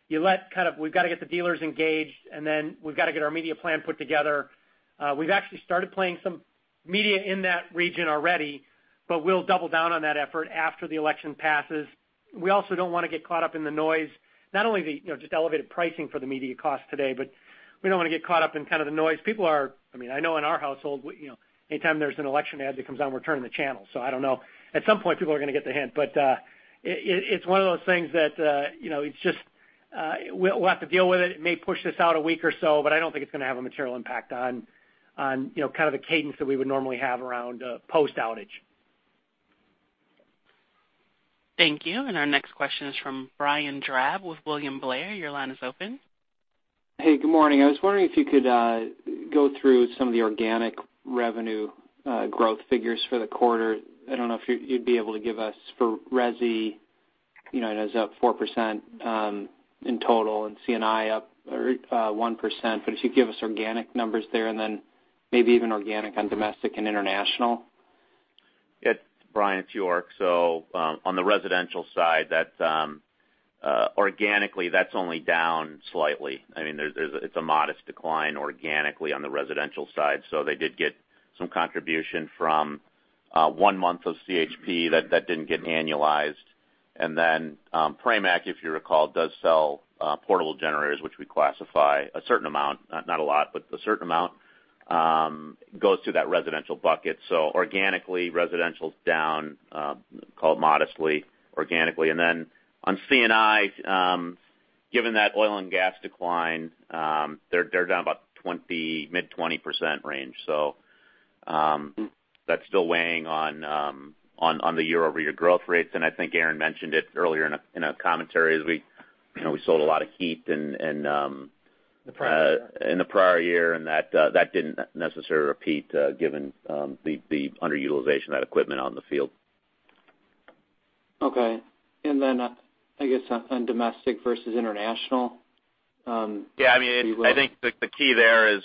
We've got to get the dealers engaged, then we've got to get our media plan put together. We've actually started playing some media in that region already, we'll double down on that effort after the election passes. We also don't want to get caught up in the noise, not only the just elevated pricing for the media cost today, we don't want to get caught up in kind of the noise. I know in our household, anytime there's an election ad that comes on, we're turning the channel. I don't know. At some point, people are going to get the hint. It's one of those things that we'll have to deal with it. It may push this out a week or so, I don't think it's going to have a material impact on kind of the cadence that we would normally have around post-outage. Thank you. Our next question is from Brian Drab with William Blair. Your line is open. Hey, good morning. I was wondering if you could go through some of the organic revenue growth figures for the quarter. I do not know if you would be able to give us for resi. I know it was up 4% in total and C&I up 1%, but if you could give us organic numbers there and then maybe even organic on domestic and international. Brian, it is York. On the residential side, organically, that is only down slightly. It is a modest decline organically on the residential side. They did get some contribution from one month of CHP that did not get annualized. Pramac, if you recall, does sell portable generators, which we classify a certain amount, not a lot, but a certain amount goes to that residential bucket. Organically, residential is down, call it modestly organically. On C&I, given that oil and gas decline, they are down about mid 20% range. That is still weighing on the year-over-year growth rates. I think Aaron mentioned it earlier in a commentary, as we sold a lot of heat in- The prior year, in the prior year. That didn't necessarily repeat, given the underutilization of that equipment on the field. Okay. Then I guess on domestic versus international. Yeah. The key there is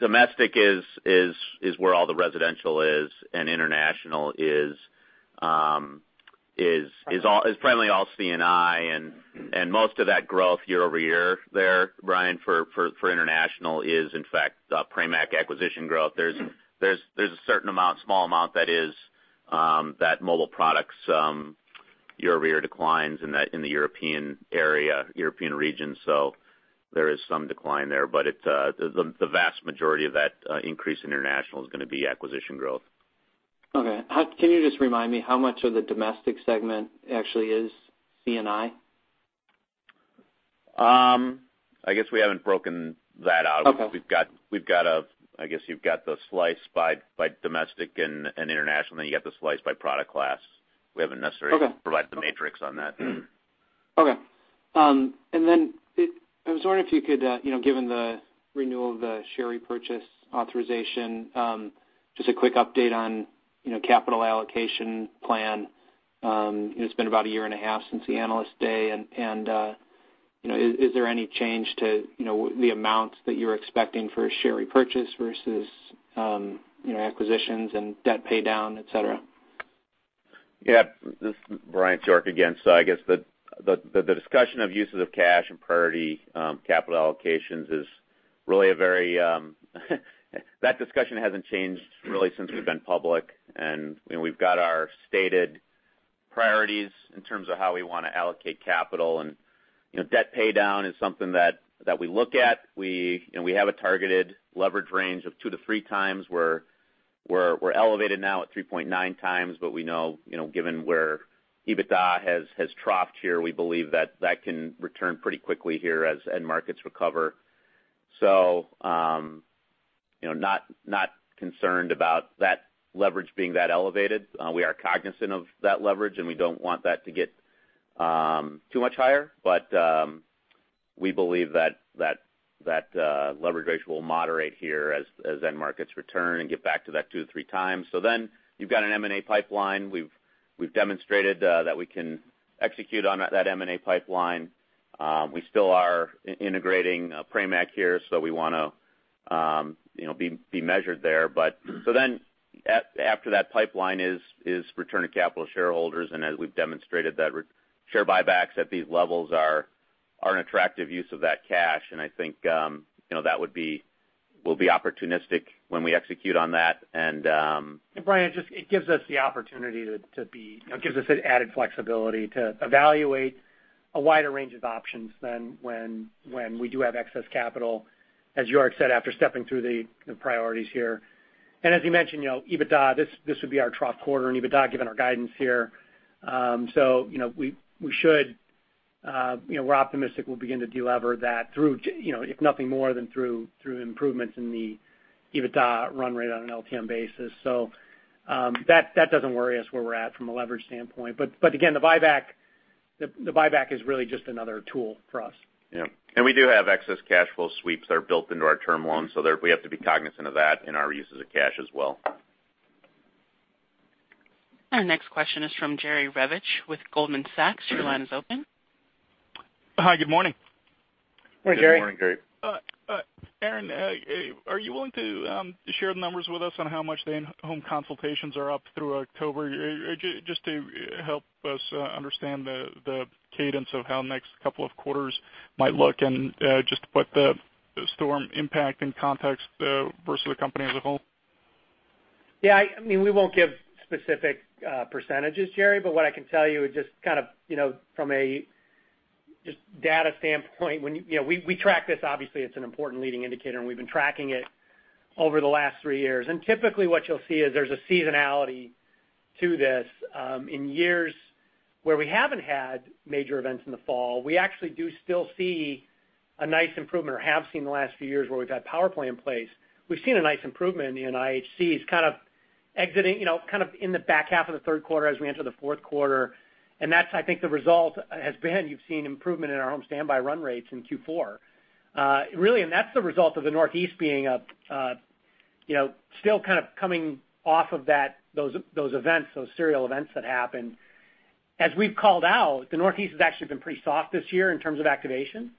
domestic is where all the residential is. International is primarily all C&I, and most of that growth year-over-year there, Brian, for international is in fact Pramac acquisition growth. There's a certain amount, small amount that mobile products. Year-over-year declines in the European region. There is some decline there, but the vast majority of that increase in international is going to be acquisition growth. Okay. Can you just remind me how much of the domestic segment actually is C&I? I guess we haven't broken that out. Okay. I guess you've got the slice by domestic and international, then you got the slice by product class. We haven't necessarily. Okay Provided the matrix on that. Okay. I was wondering if you could, given the renewal of the share repurchase authorization, just a quick update on capital allocation plan. It's been about a year and a half since the Analyst Day. Is there any change to the amounts that you're expecting for a share repurchase versus acquisitions and debt pay down, et cetera? Yeah. This is York again. I guess the discussion of uses of cash and priority capital allocations, that discussion hasn't changed really since we've been public. We've got our stated priorities in terms of how we want to allocate capital, and debt pay down is something that we look at. We have a targeted leverage range of 2x-3x where we're elevated now at 3.9x, but we know, given where EBITDA has troughed here, we believe that that can return pretty quickly here as end markets recover. Not concerned about that leverage being that elevated. We are cognizant of that leverage, and we don't want that to get too much higher. We believe that leverage ratio will moderate here as end markets return and get back to that 2x-3x. You've got an M&A pipeline. We've demonstrated that we can execute on that M&A pipeline. We still are integrating Pramac here, so we want to be measured there. After that pipeline is return to capital shareholders, and as we've demonstrated that share buybacks at these levels are an attractive use of that cash. I think we'll be opportunistic when we execute on that. Brian, it gives us the opportunity to be, it gives us an added flexibility to evaluate a wider range of options than when we do have excess capital, as York said, after stepping through the priorities here. As you mentioned, EBITDA, this would be our trough quarter in EBITDA given our guidance here. We're optimistic we'll begin to de-lever that through, if nothing more than through improvements in the EBITDA run rate on an LTM basis. That doesn't worry us where we're at from a leverage standpoint. Again, the buyback is really just another tool for us. Yeah. We do have excess cash flow sweeps that are built into our term loans, we have to be cognizant of that in our uses of cash as well. Our next question is from Jerry Revich with Goldman Sachs. Your line is open. Hi, good morning. Hey, Jerry. Good morning, Jerry. Aaron, are you willing to share the numbers with us on how much the in-home consultations are up through October, just to help us understand the cadence of how the next couple of quarters might look and just what the storm impact in context, versus the company as a whole? Yeah, we won't give specific percentages, Jerry, but what I can tell you is just from a data standpoint, we track this, obviously it's an important leading indicator, and we've been tracking it over the last three years. Typically what you'll see is there's a seasonality to this. In years where we haven't had major events in the fall, we actually do still see a nice improvement or have seen the last few years where we've had PowerPlay in place. We've seen a nice improvement in the IHCs kind of exiting, kind of in the back half of the third quarter as we enter the fourth quarter, and that's, I think, the result has been you've seen improvement in our home standby run rates in Q4. Really, that's the result of the Northeast being still kind of coming off of those events, those serial events that happened. As we've called out, the Northeast has actually been pretty soft this year in terms of activation.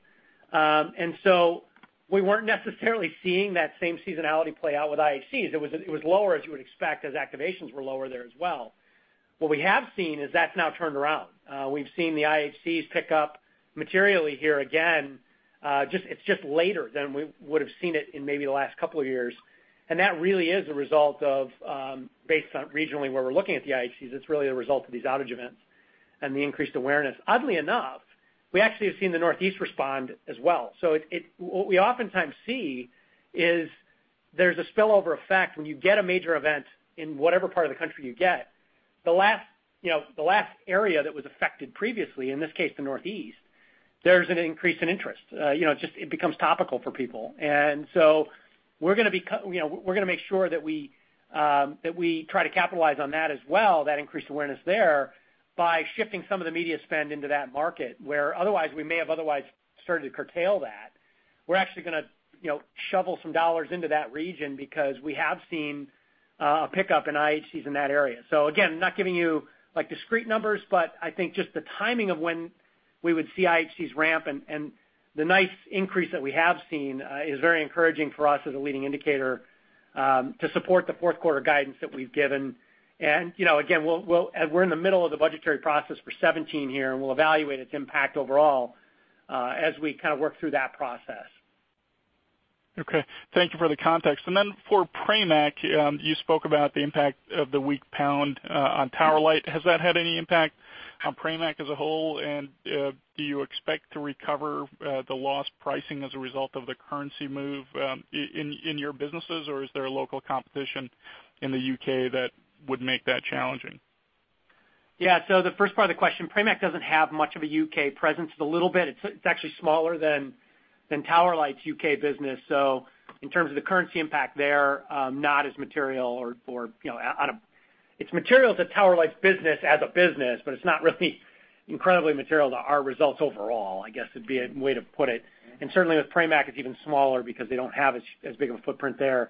So we weren't necessarily seeing that same seasonality play out with IHCs. It was lower, as you would expect, as activations were lower there as well. What we have seen is that's now turned around. We've seen the IHCs pick up materially here again. It's just later than we would've seen it in maybe the last couple of years. That really is a result of, based on regionally where we're looking at the IHCs, it's really a result of these outage events and the increased awareness. Oddly enough, we actually have seen the Northeast respond as well. What we oftentimes see is there's a spillover effect when you get a major event in whatever part of the country you get, the last area that was affected previously, in this case, the Northeast, there's an increase in interest. It becomes topical for people. We're going to make sure that we try to capitalize on that as well, that increased awareness there, by shifting some of the media spend into that market, where otherwise we may have otherwise started to curtail that. We're actually going to shovel some dollars into that region because we have seen a pickup in IHCs in that area. Again, I'm not giving you discrete numbers, but I think just the timing of when we would see IHCs ramp and the nice increase that we have seen is very encouraging for us as a leading indicator, to support the fourth quarter guidance that we've given. Again, we're in the middle of the budgetary process for 2017 here, and we'll evaluate its impact overall, as we kind of work through that process. Okay. Thank you for the context. Then for Pramac, you spoke about the impact of the weak pound on Tower Light. Has that had any impact on Pramac as a whole? Do you expect to recover the lost pricing as a result of the currency move in your businesses or is there a local competition in the U.K. that would make that challenging? Yeah. The first part of the question, Pramac doesn't have much of a U.K. presence. It's a little bit. It's actually smaller than Tower Light's U.K. business. In terms of the currency impact there, not as material. It's material to Tower Light's business as a business, but it's not really incredibly material to our results overall, I guess would be a way to put it. Certainly with Pramac, it's even smaller because they don't have as big of a footprint there.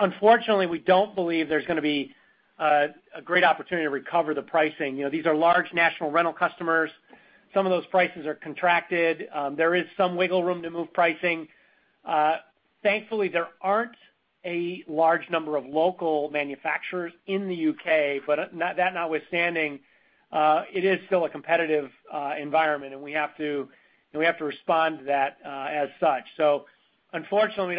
Unfortunately, we don't believe there's going to be a great opportunity to recover the pricing. These are large national rental customers. Some of those prices are contracted. There is some wiggle room to move pricing. Thankfully, there aren't a large number of local manufacturers in the U.K., but that notwithstanding, it is still a competitive environment, and we have to respond to that as such. Unfortunately,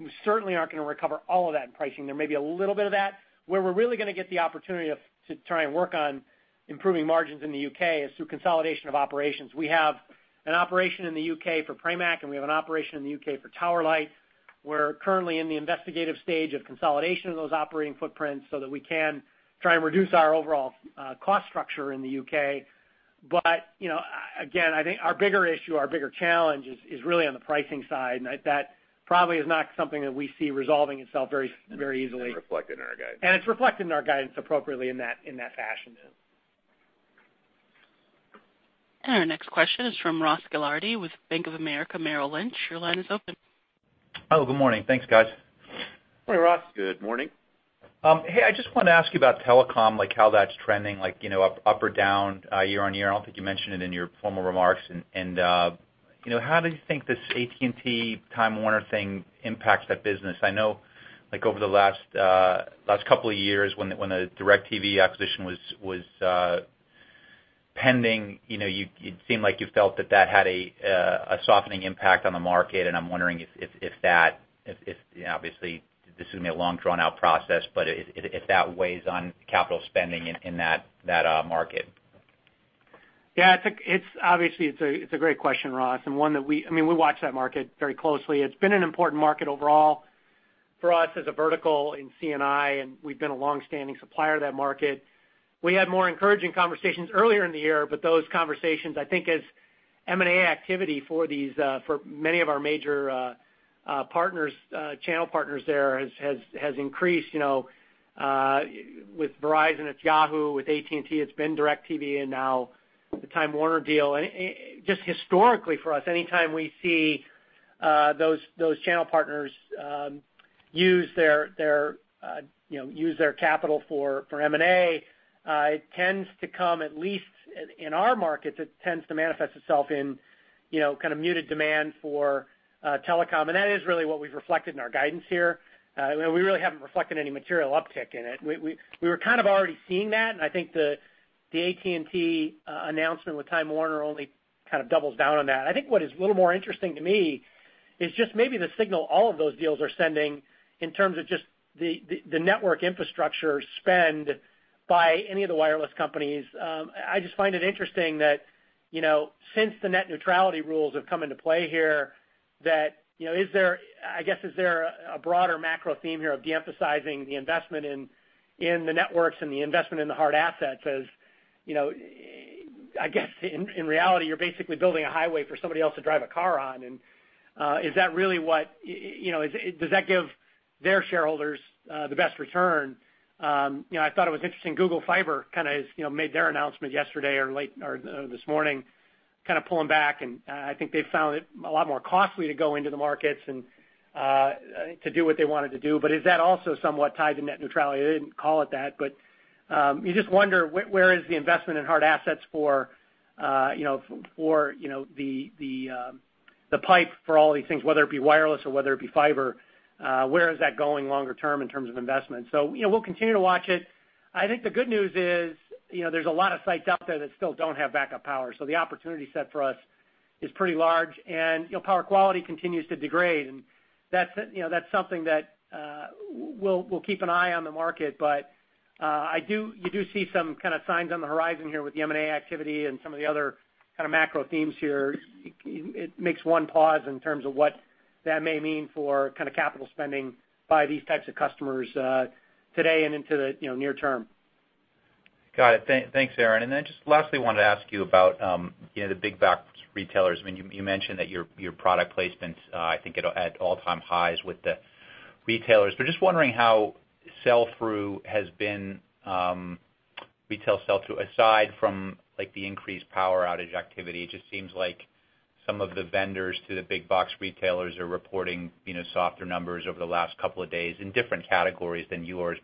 we certainly aren't going to recover all of that in pricing. There may be a little bit of that. Where we're really going to get the opportunity to try and work on improving margins in the U.K. is through consolidation of operations. We have an operation in the U.K. for Pramac, and we have an operation in the U.K. for Tower Light. We're currently in the investigative stage of consolidation of those operating footprints so that we can try and reduce our overall cost structure in the U.K. Again, I think our bigger issue, our bigger challenge, is really on the pricing side, and that probably is not something that we see resolving itself very easily. Reflected in our guidance. It's reflected in our guidance appropriately in that fashion then. Our next question is from Ross Gilardi with Bank of America Merrill Lynch. Your line is open. Hello. Good morning. Thanks, guys. Morning, Ross. Good morning. Hey, I just wanted to ask you about telecom, like how that's trending, up or down, year-on-year. I don't think you mentioned it in your formal remarks. How do you think this AT&T Time Warner thing impacts that business? I know over the last couple of years when the DirecTV acquisition was pending, it seemed like you felt that that had a softening impact on the market, and I'm wondering if that, obviously this is going to be a long-drawn-out process, but if that weighs on capital spending in that market. Yeah. Obviously, it's a great question, Ross, one that we watch that market very closely. It's been an important market overall for us as a vertical in C&I, and we've been a longstanding supplier to that market. We had more encouraging conversations earlier in the year. Those conversations, I think as M&A activity for many of our major channel partners there has increased. With Verizon, it's Yahoo! With AT&T, it's been DirecTV, and now the Time Warner deal. Just historically for us, anytime we see those channel partners use their capital for M&A, it tends to come, at least in our markets, it tends to manifest itself in kind of muted demand for telecom. That is really what we've reflected in our guidance here. We really haven't reflected any material uptick in it. We were kind of already seeing that, I think the AT&T announcement with Time Warner only kind of doubles down on that. I think what is a little more interesting to me is just maybe the signal all of those deals are sending in terms of just the network infrastructure spend by any of the wireless companies. I just find it interesting that since the net neutrality rules have come into play here, I guess is there a broader macro theme here of de-emphasizing the investment in the networks and the investment in the hard assets? I guess in reality, you're basically building a highway for somebody else to drive a car on, does that give their shareholders the best return? I thought it was interesting, Google Fiber kind of has made their announcement yesterday or this morning, kind of pulling back, and I think they found it a lot more costly to go into the markets and to do what they wanted to do. Is that also somewhat tied to net neutrality? You just wonder, where is the investment in hard assets for the pipe for all these things, whether it be wireless or whether it be fiber, where is that going longer term in terms of investment? We'll continue to watch it. I think the good news is there's a lot of sites out there that still don't have backup power, so the opportunity set for us is pretty large. Power quality continues to degrade, and that's something that we'll keep an eye on the market. You do see some kind of signs on the horizon here with the M&A activity and some of the other kind of macro themes here. It makes one pause in terms of what that may mean for kind of capital spending by these types of customers today and into the near term. Got it. Thanks, Aaron. Just lastly, wanted to ask you about the big box retailers. You mentioned that your product placement's, I think, at all-time highs with the retailers. Just wondering how sell-through has been, retail sell-through, aside from the increased power outage activity. It just seems like some of the vendors to the big box retailers are reporting softer numbers over the last couple of days in different categories than yours.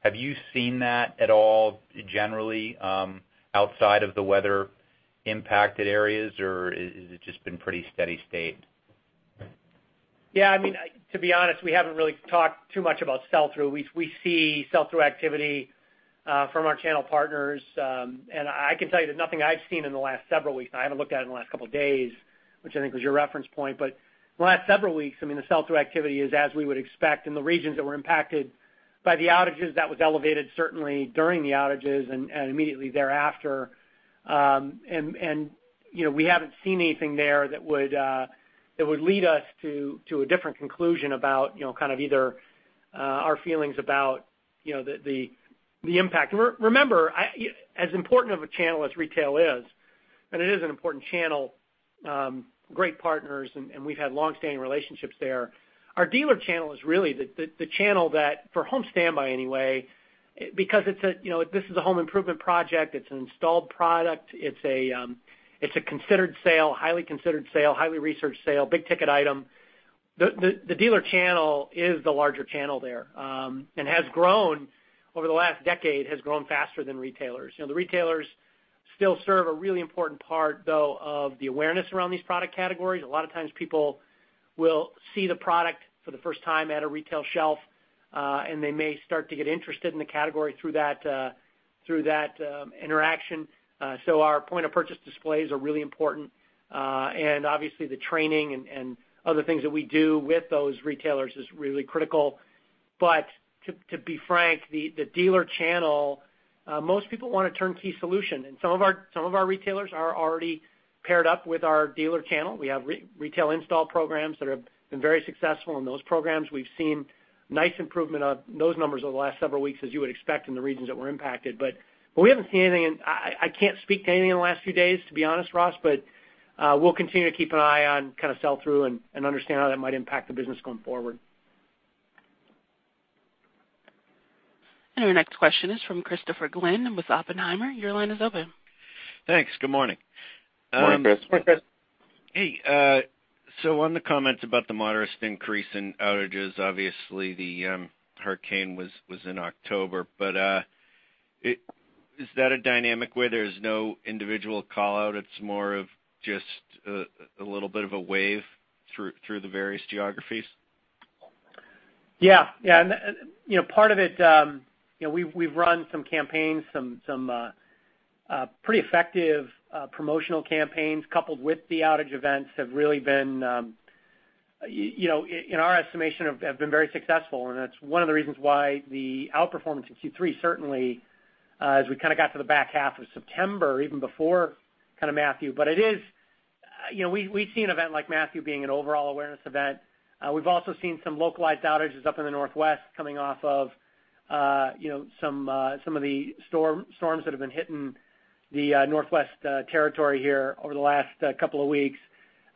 Have you seen that at all generally outside of the weather-impacted areas, or has it just been pretty steady state? Yeah. To be honest, we haven't really talked too much about sell-through. We see sell-through activity from our channel partners. I can tell you that nothing I've seen in the last several weeks, and I haven't looked at it in the last couple of days, which I think was your reference point, but the last several weeks, the sell-through activity is as we would expect in the regions that were impacted by the outages that was elevated certainly during the outages and immediately thereafter. We haven't seen anything there that would lead us to a different conclusion about kind of either our feelings about the impact. Remember, as important of a channel as retail is, it is an important channel, great partners, and we've had longstanding relationships there, our dealer channel is really the channel that for Home Standby anyway, because this is a home improvement project, it's an installed product, it's a considered sale, highly considered sale, highly researched sale, big-ticket item. The dealer channel is the larger channel there, has grown over the last decade, has grown faster than retailers. The retailers still serve a really important part, though, of the awareness around these product categories. A lot of times people will see the product for the first time at a retail shelf, they may start to get interested in the category through that interaction. Our point of purchase displays are really important. Obviously the training and other things that we do with those retailers is really critical. To be frank, the dealer channel, most people want a turnkey solution. Some of our retailers are already paired up with our dealer channel. We have retail install programs that have been very successful. Those programs we've seen nice improvement on those numbers over the last several weeks, as you would expect in the regions that were impacted. We haven't seen anything in. I can't speak to anything in the last few days, to be honest, Ross. We'll continue to keep an eye on sell through and understand how that might impact the business going forward. Our next question is from Christopher Glynn with Oppenheimer. Your line is open. Thanks. Good morning. Good morning, Chris. Hey, on the comments about the modest increase in outages, obviously the hurricane was in October, but is that a dynamic where there's no individual call-out, it's more of just a little bit of a wave through the various geographies? Yeah. Part of it we've run some campaigns, some pretty effective promotional campaigns coupled with the outage events have really been, in our estimation, have been very successful and that's one of the reasons why the outperformance in Q3 certainly as we got to the back half of September, even before Matthew. We've seen an event like Matthew being an overall awareness event. We've also seen some localized outages up in the Northwest coming off of some of the storms that have been hitting the Northwest territory here over the last couple of weeks.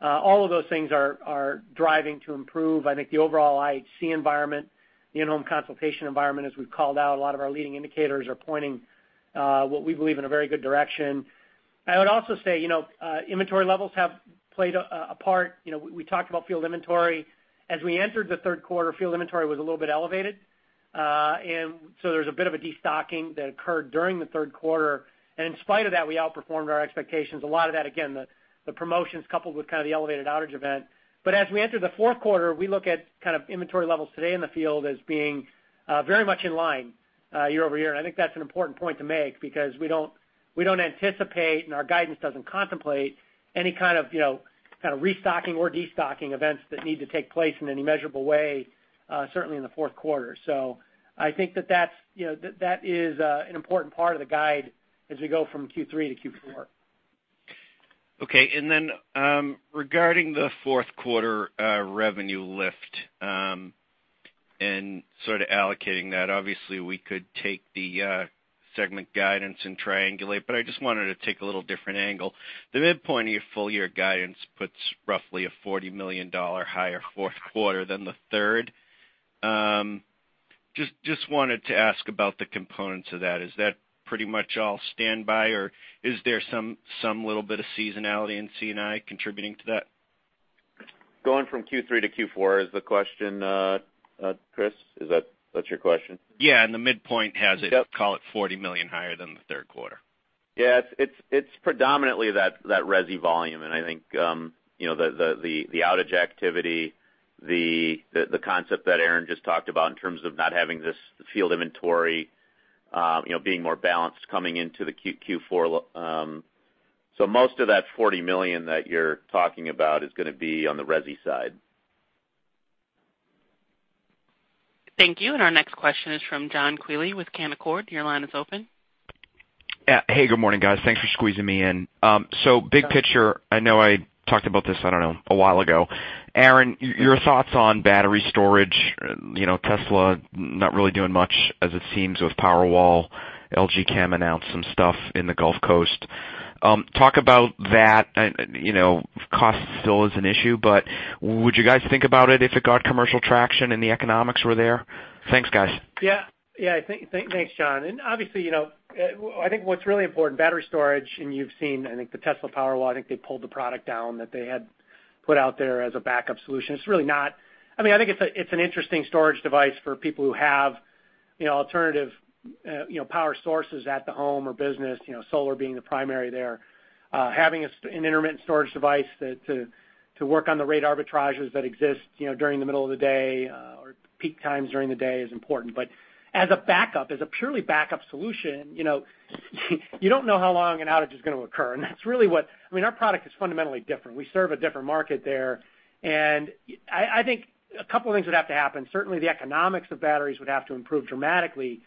All of those things are driving to improve, I think, the overall IHC environment, the in-home consultation environment, as we've called out, a lot of our leading indicators are pointing what we believe in a very good direction. I would also say inventory levels have played a part. We talked about field inventory. As we entered the third quarter, field inventory was a little bit elevated. There's a bit of a destocking that occurred during the third quarter. In spite of that, we outperformed our expectations. A lot of that, again, the promotions coupled with the elevated outage event. As we enter the fourth quarter, we look at inventory levels today in the field as being very much in line year-over-year. I think that's an important point to make because we don't anticipate, and our guidance doesn't contemplate any kind of restocking or destocking events that need to take place in any measurable way, certainly in the fourth quarter. I think that is an important part of the guide as we go from Q3 to Q4. Okay. Regarding the fourth quarter revenue lift, and sort of allocating that, obviously we could take the segment guidance and triangulate, but I just wanted to take a little different angle. The midpoint of your full year guidance puts roughly a $40 million higher fourth quarter than the third. Just wanted to ask about the components of that. Is that pretty much all standby, or is there some little bit of seasonality in C&I contributing to that? Going from Q3 to Q4 is the question, Chris? Is that your question? Yeah, the midpoint has it. Yep call it $40 million higher than the third quarter. Yeah. It's predominantly that resi volume, and I think the outage activity, the concept that Aaron just talked about in terms of not having this field inventory being more balanced coming into the Q4. Most of that $40 million that you're talking about is gonna be on the resi side. Thank you. Our next question is from John Quealy with Canaccord. Your line is open. Hey, good morning, guys. Thanks for squeezing me in. Big picture, I know I talked about this, I don't know, a while ago. Aaron, your thoughts on battery storage. Tesla not really doing much as it seems with Powerwall. LG Chem announced some stuff in the Gulf Coast. Talk about that. If cost still is an issue, but would you guys think about it if it got commercial traction and the economics were there? Thanks, guys. Yeah. Thanks, John. Obviously, I think what's really important, battery storage, and you've seen, I think the Tesla Powerwall, I think they pulled the product down that they had put out there as a backup solution. I think it's an interesting storage device for people who have alternative power sources at the home or business, solar being the primary there. Having an intermittent storage device to work on the rate arbitrages that exist during the middle of the day peak times during the day is important. As a backup, as a purely backup solution, you don't know how long an outage is going to occur. Our product is fundamentally different. We serve a different market there. I think a couple of things would have to happen. Certainly, the economics of batteries would have to improve dramatically.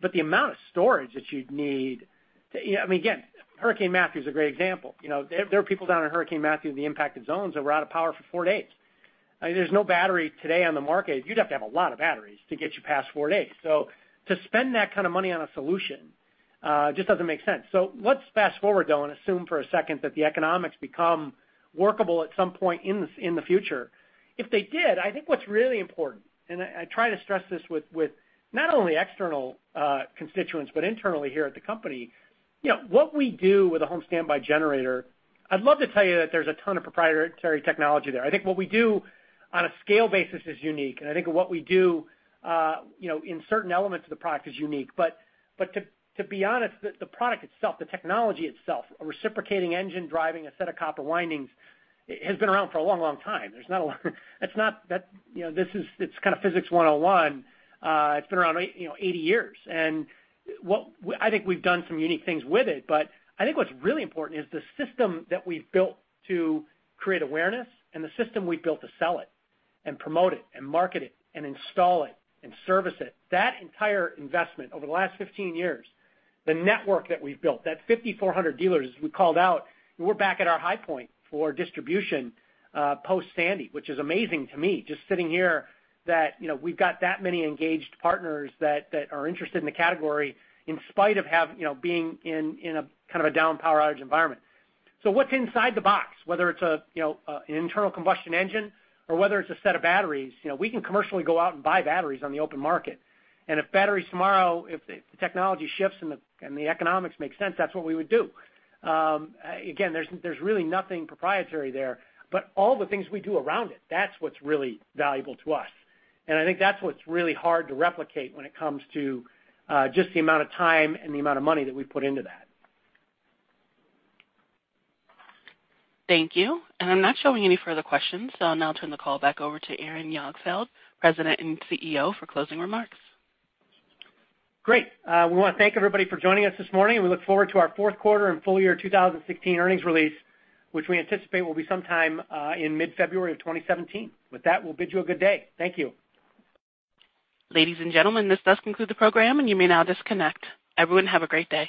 The amount of storage that you'd need Again, Hurricane Matthew is a great example. There were people down in Hurricane Matthew in the impacted zones that were out of power for four days. There's no battery today on the market. You'd have to have a lot of batteries to get you past four days. To spend that kind of money on a solution, just doesn't make sense. Let's fast-forward, though, and assume for a second that the economics become workable at some point in the future. If they did, I think what's really important, and I try to stress this with not only external constituents but internally here at the company, what we do with a home standby generator, I'd love to tell you that there's a ton of proprietary technology there. I think what we do on a scale basis is unique, and I think what we do in certain elements of the product is unique. To be honest, the product itself, the technology itself, a reciprocating engine driving a set of copper windings has been around for a long, long time. It's kind of Physics 101. It's been around 80 years. I think we've done some unique things with it, but I think what's really important is the system that we've built to create awareness and the system we've built to sell it and promote it and market it and install it and service it. That entire investment over the last 15 years, the network that we've built, that 5,400 dealers, as we called out, we're back at our high point for distribution post-Sandy, which is amazing to me, just sitting here that we've got that many engaged partners that are interested in the category in spite of being in a down power outage environment. What's inside the box, whether it's an internal combustion engine or whether it's a set of batteries, we can commercially go out and buy batteries on the open market. If batteries tomorrow, if the technology shifts and the economics make sense, that's what we would do. Again, there's really nothing proprietary there. All the things we do around it, that's what's really valuable to us. I think that's what's really hard to replicate when it comes to just the amount of time and the amount of money that we put into that. Thank you. I'm not showing any further questions, I'll now turn the call back over to Aaron Jagdfeld, President and CEO, for closing remarks. Great. We want to thank everybody for joining us this morning, we look forward to our fourth quarter and full year 2016 earnings release, which we anticipate will be sometime in mid-February of 2017. With that, we'll bid you a good day. Thank you. Ladies and gentlemen, this does conclude the program, and you may now disconnect. Everyone, have a great day.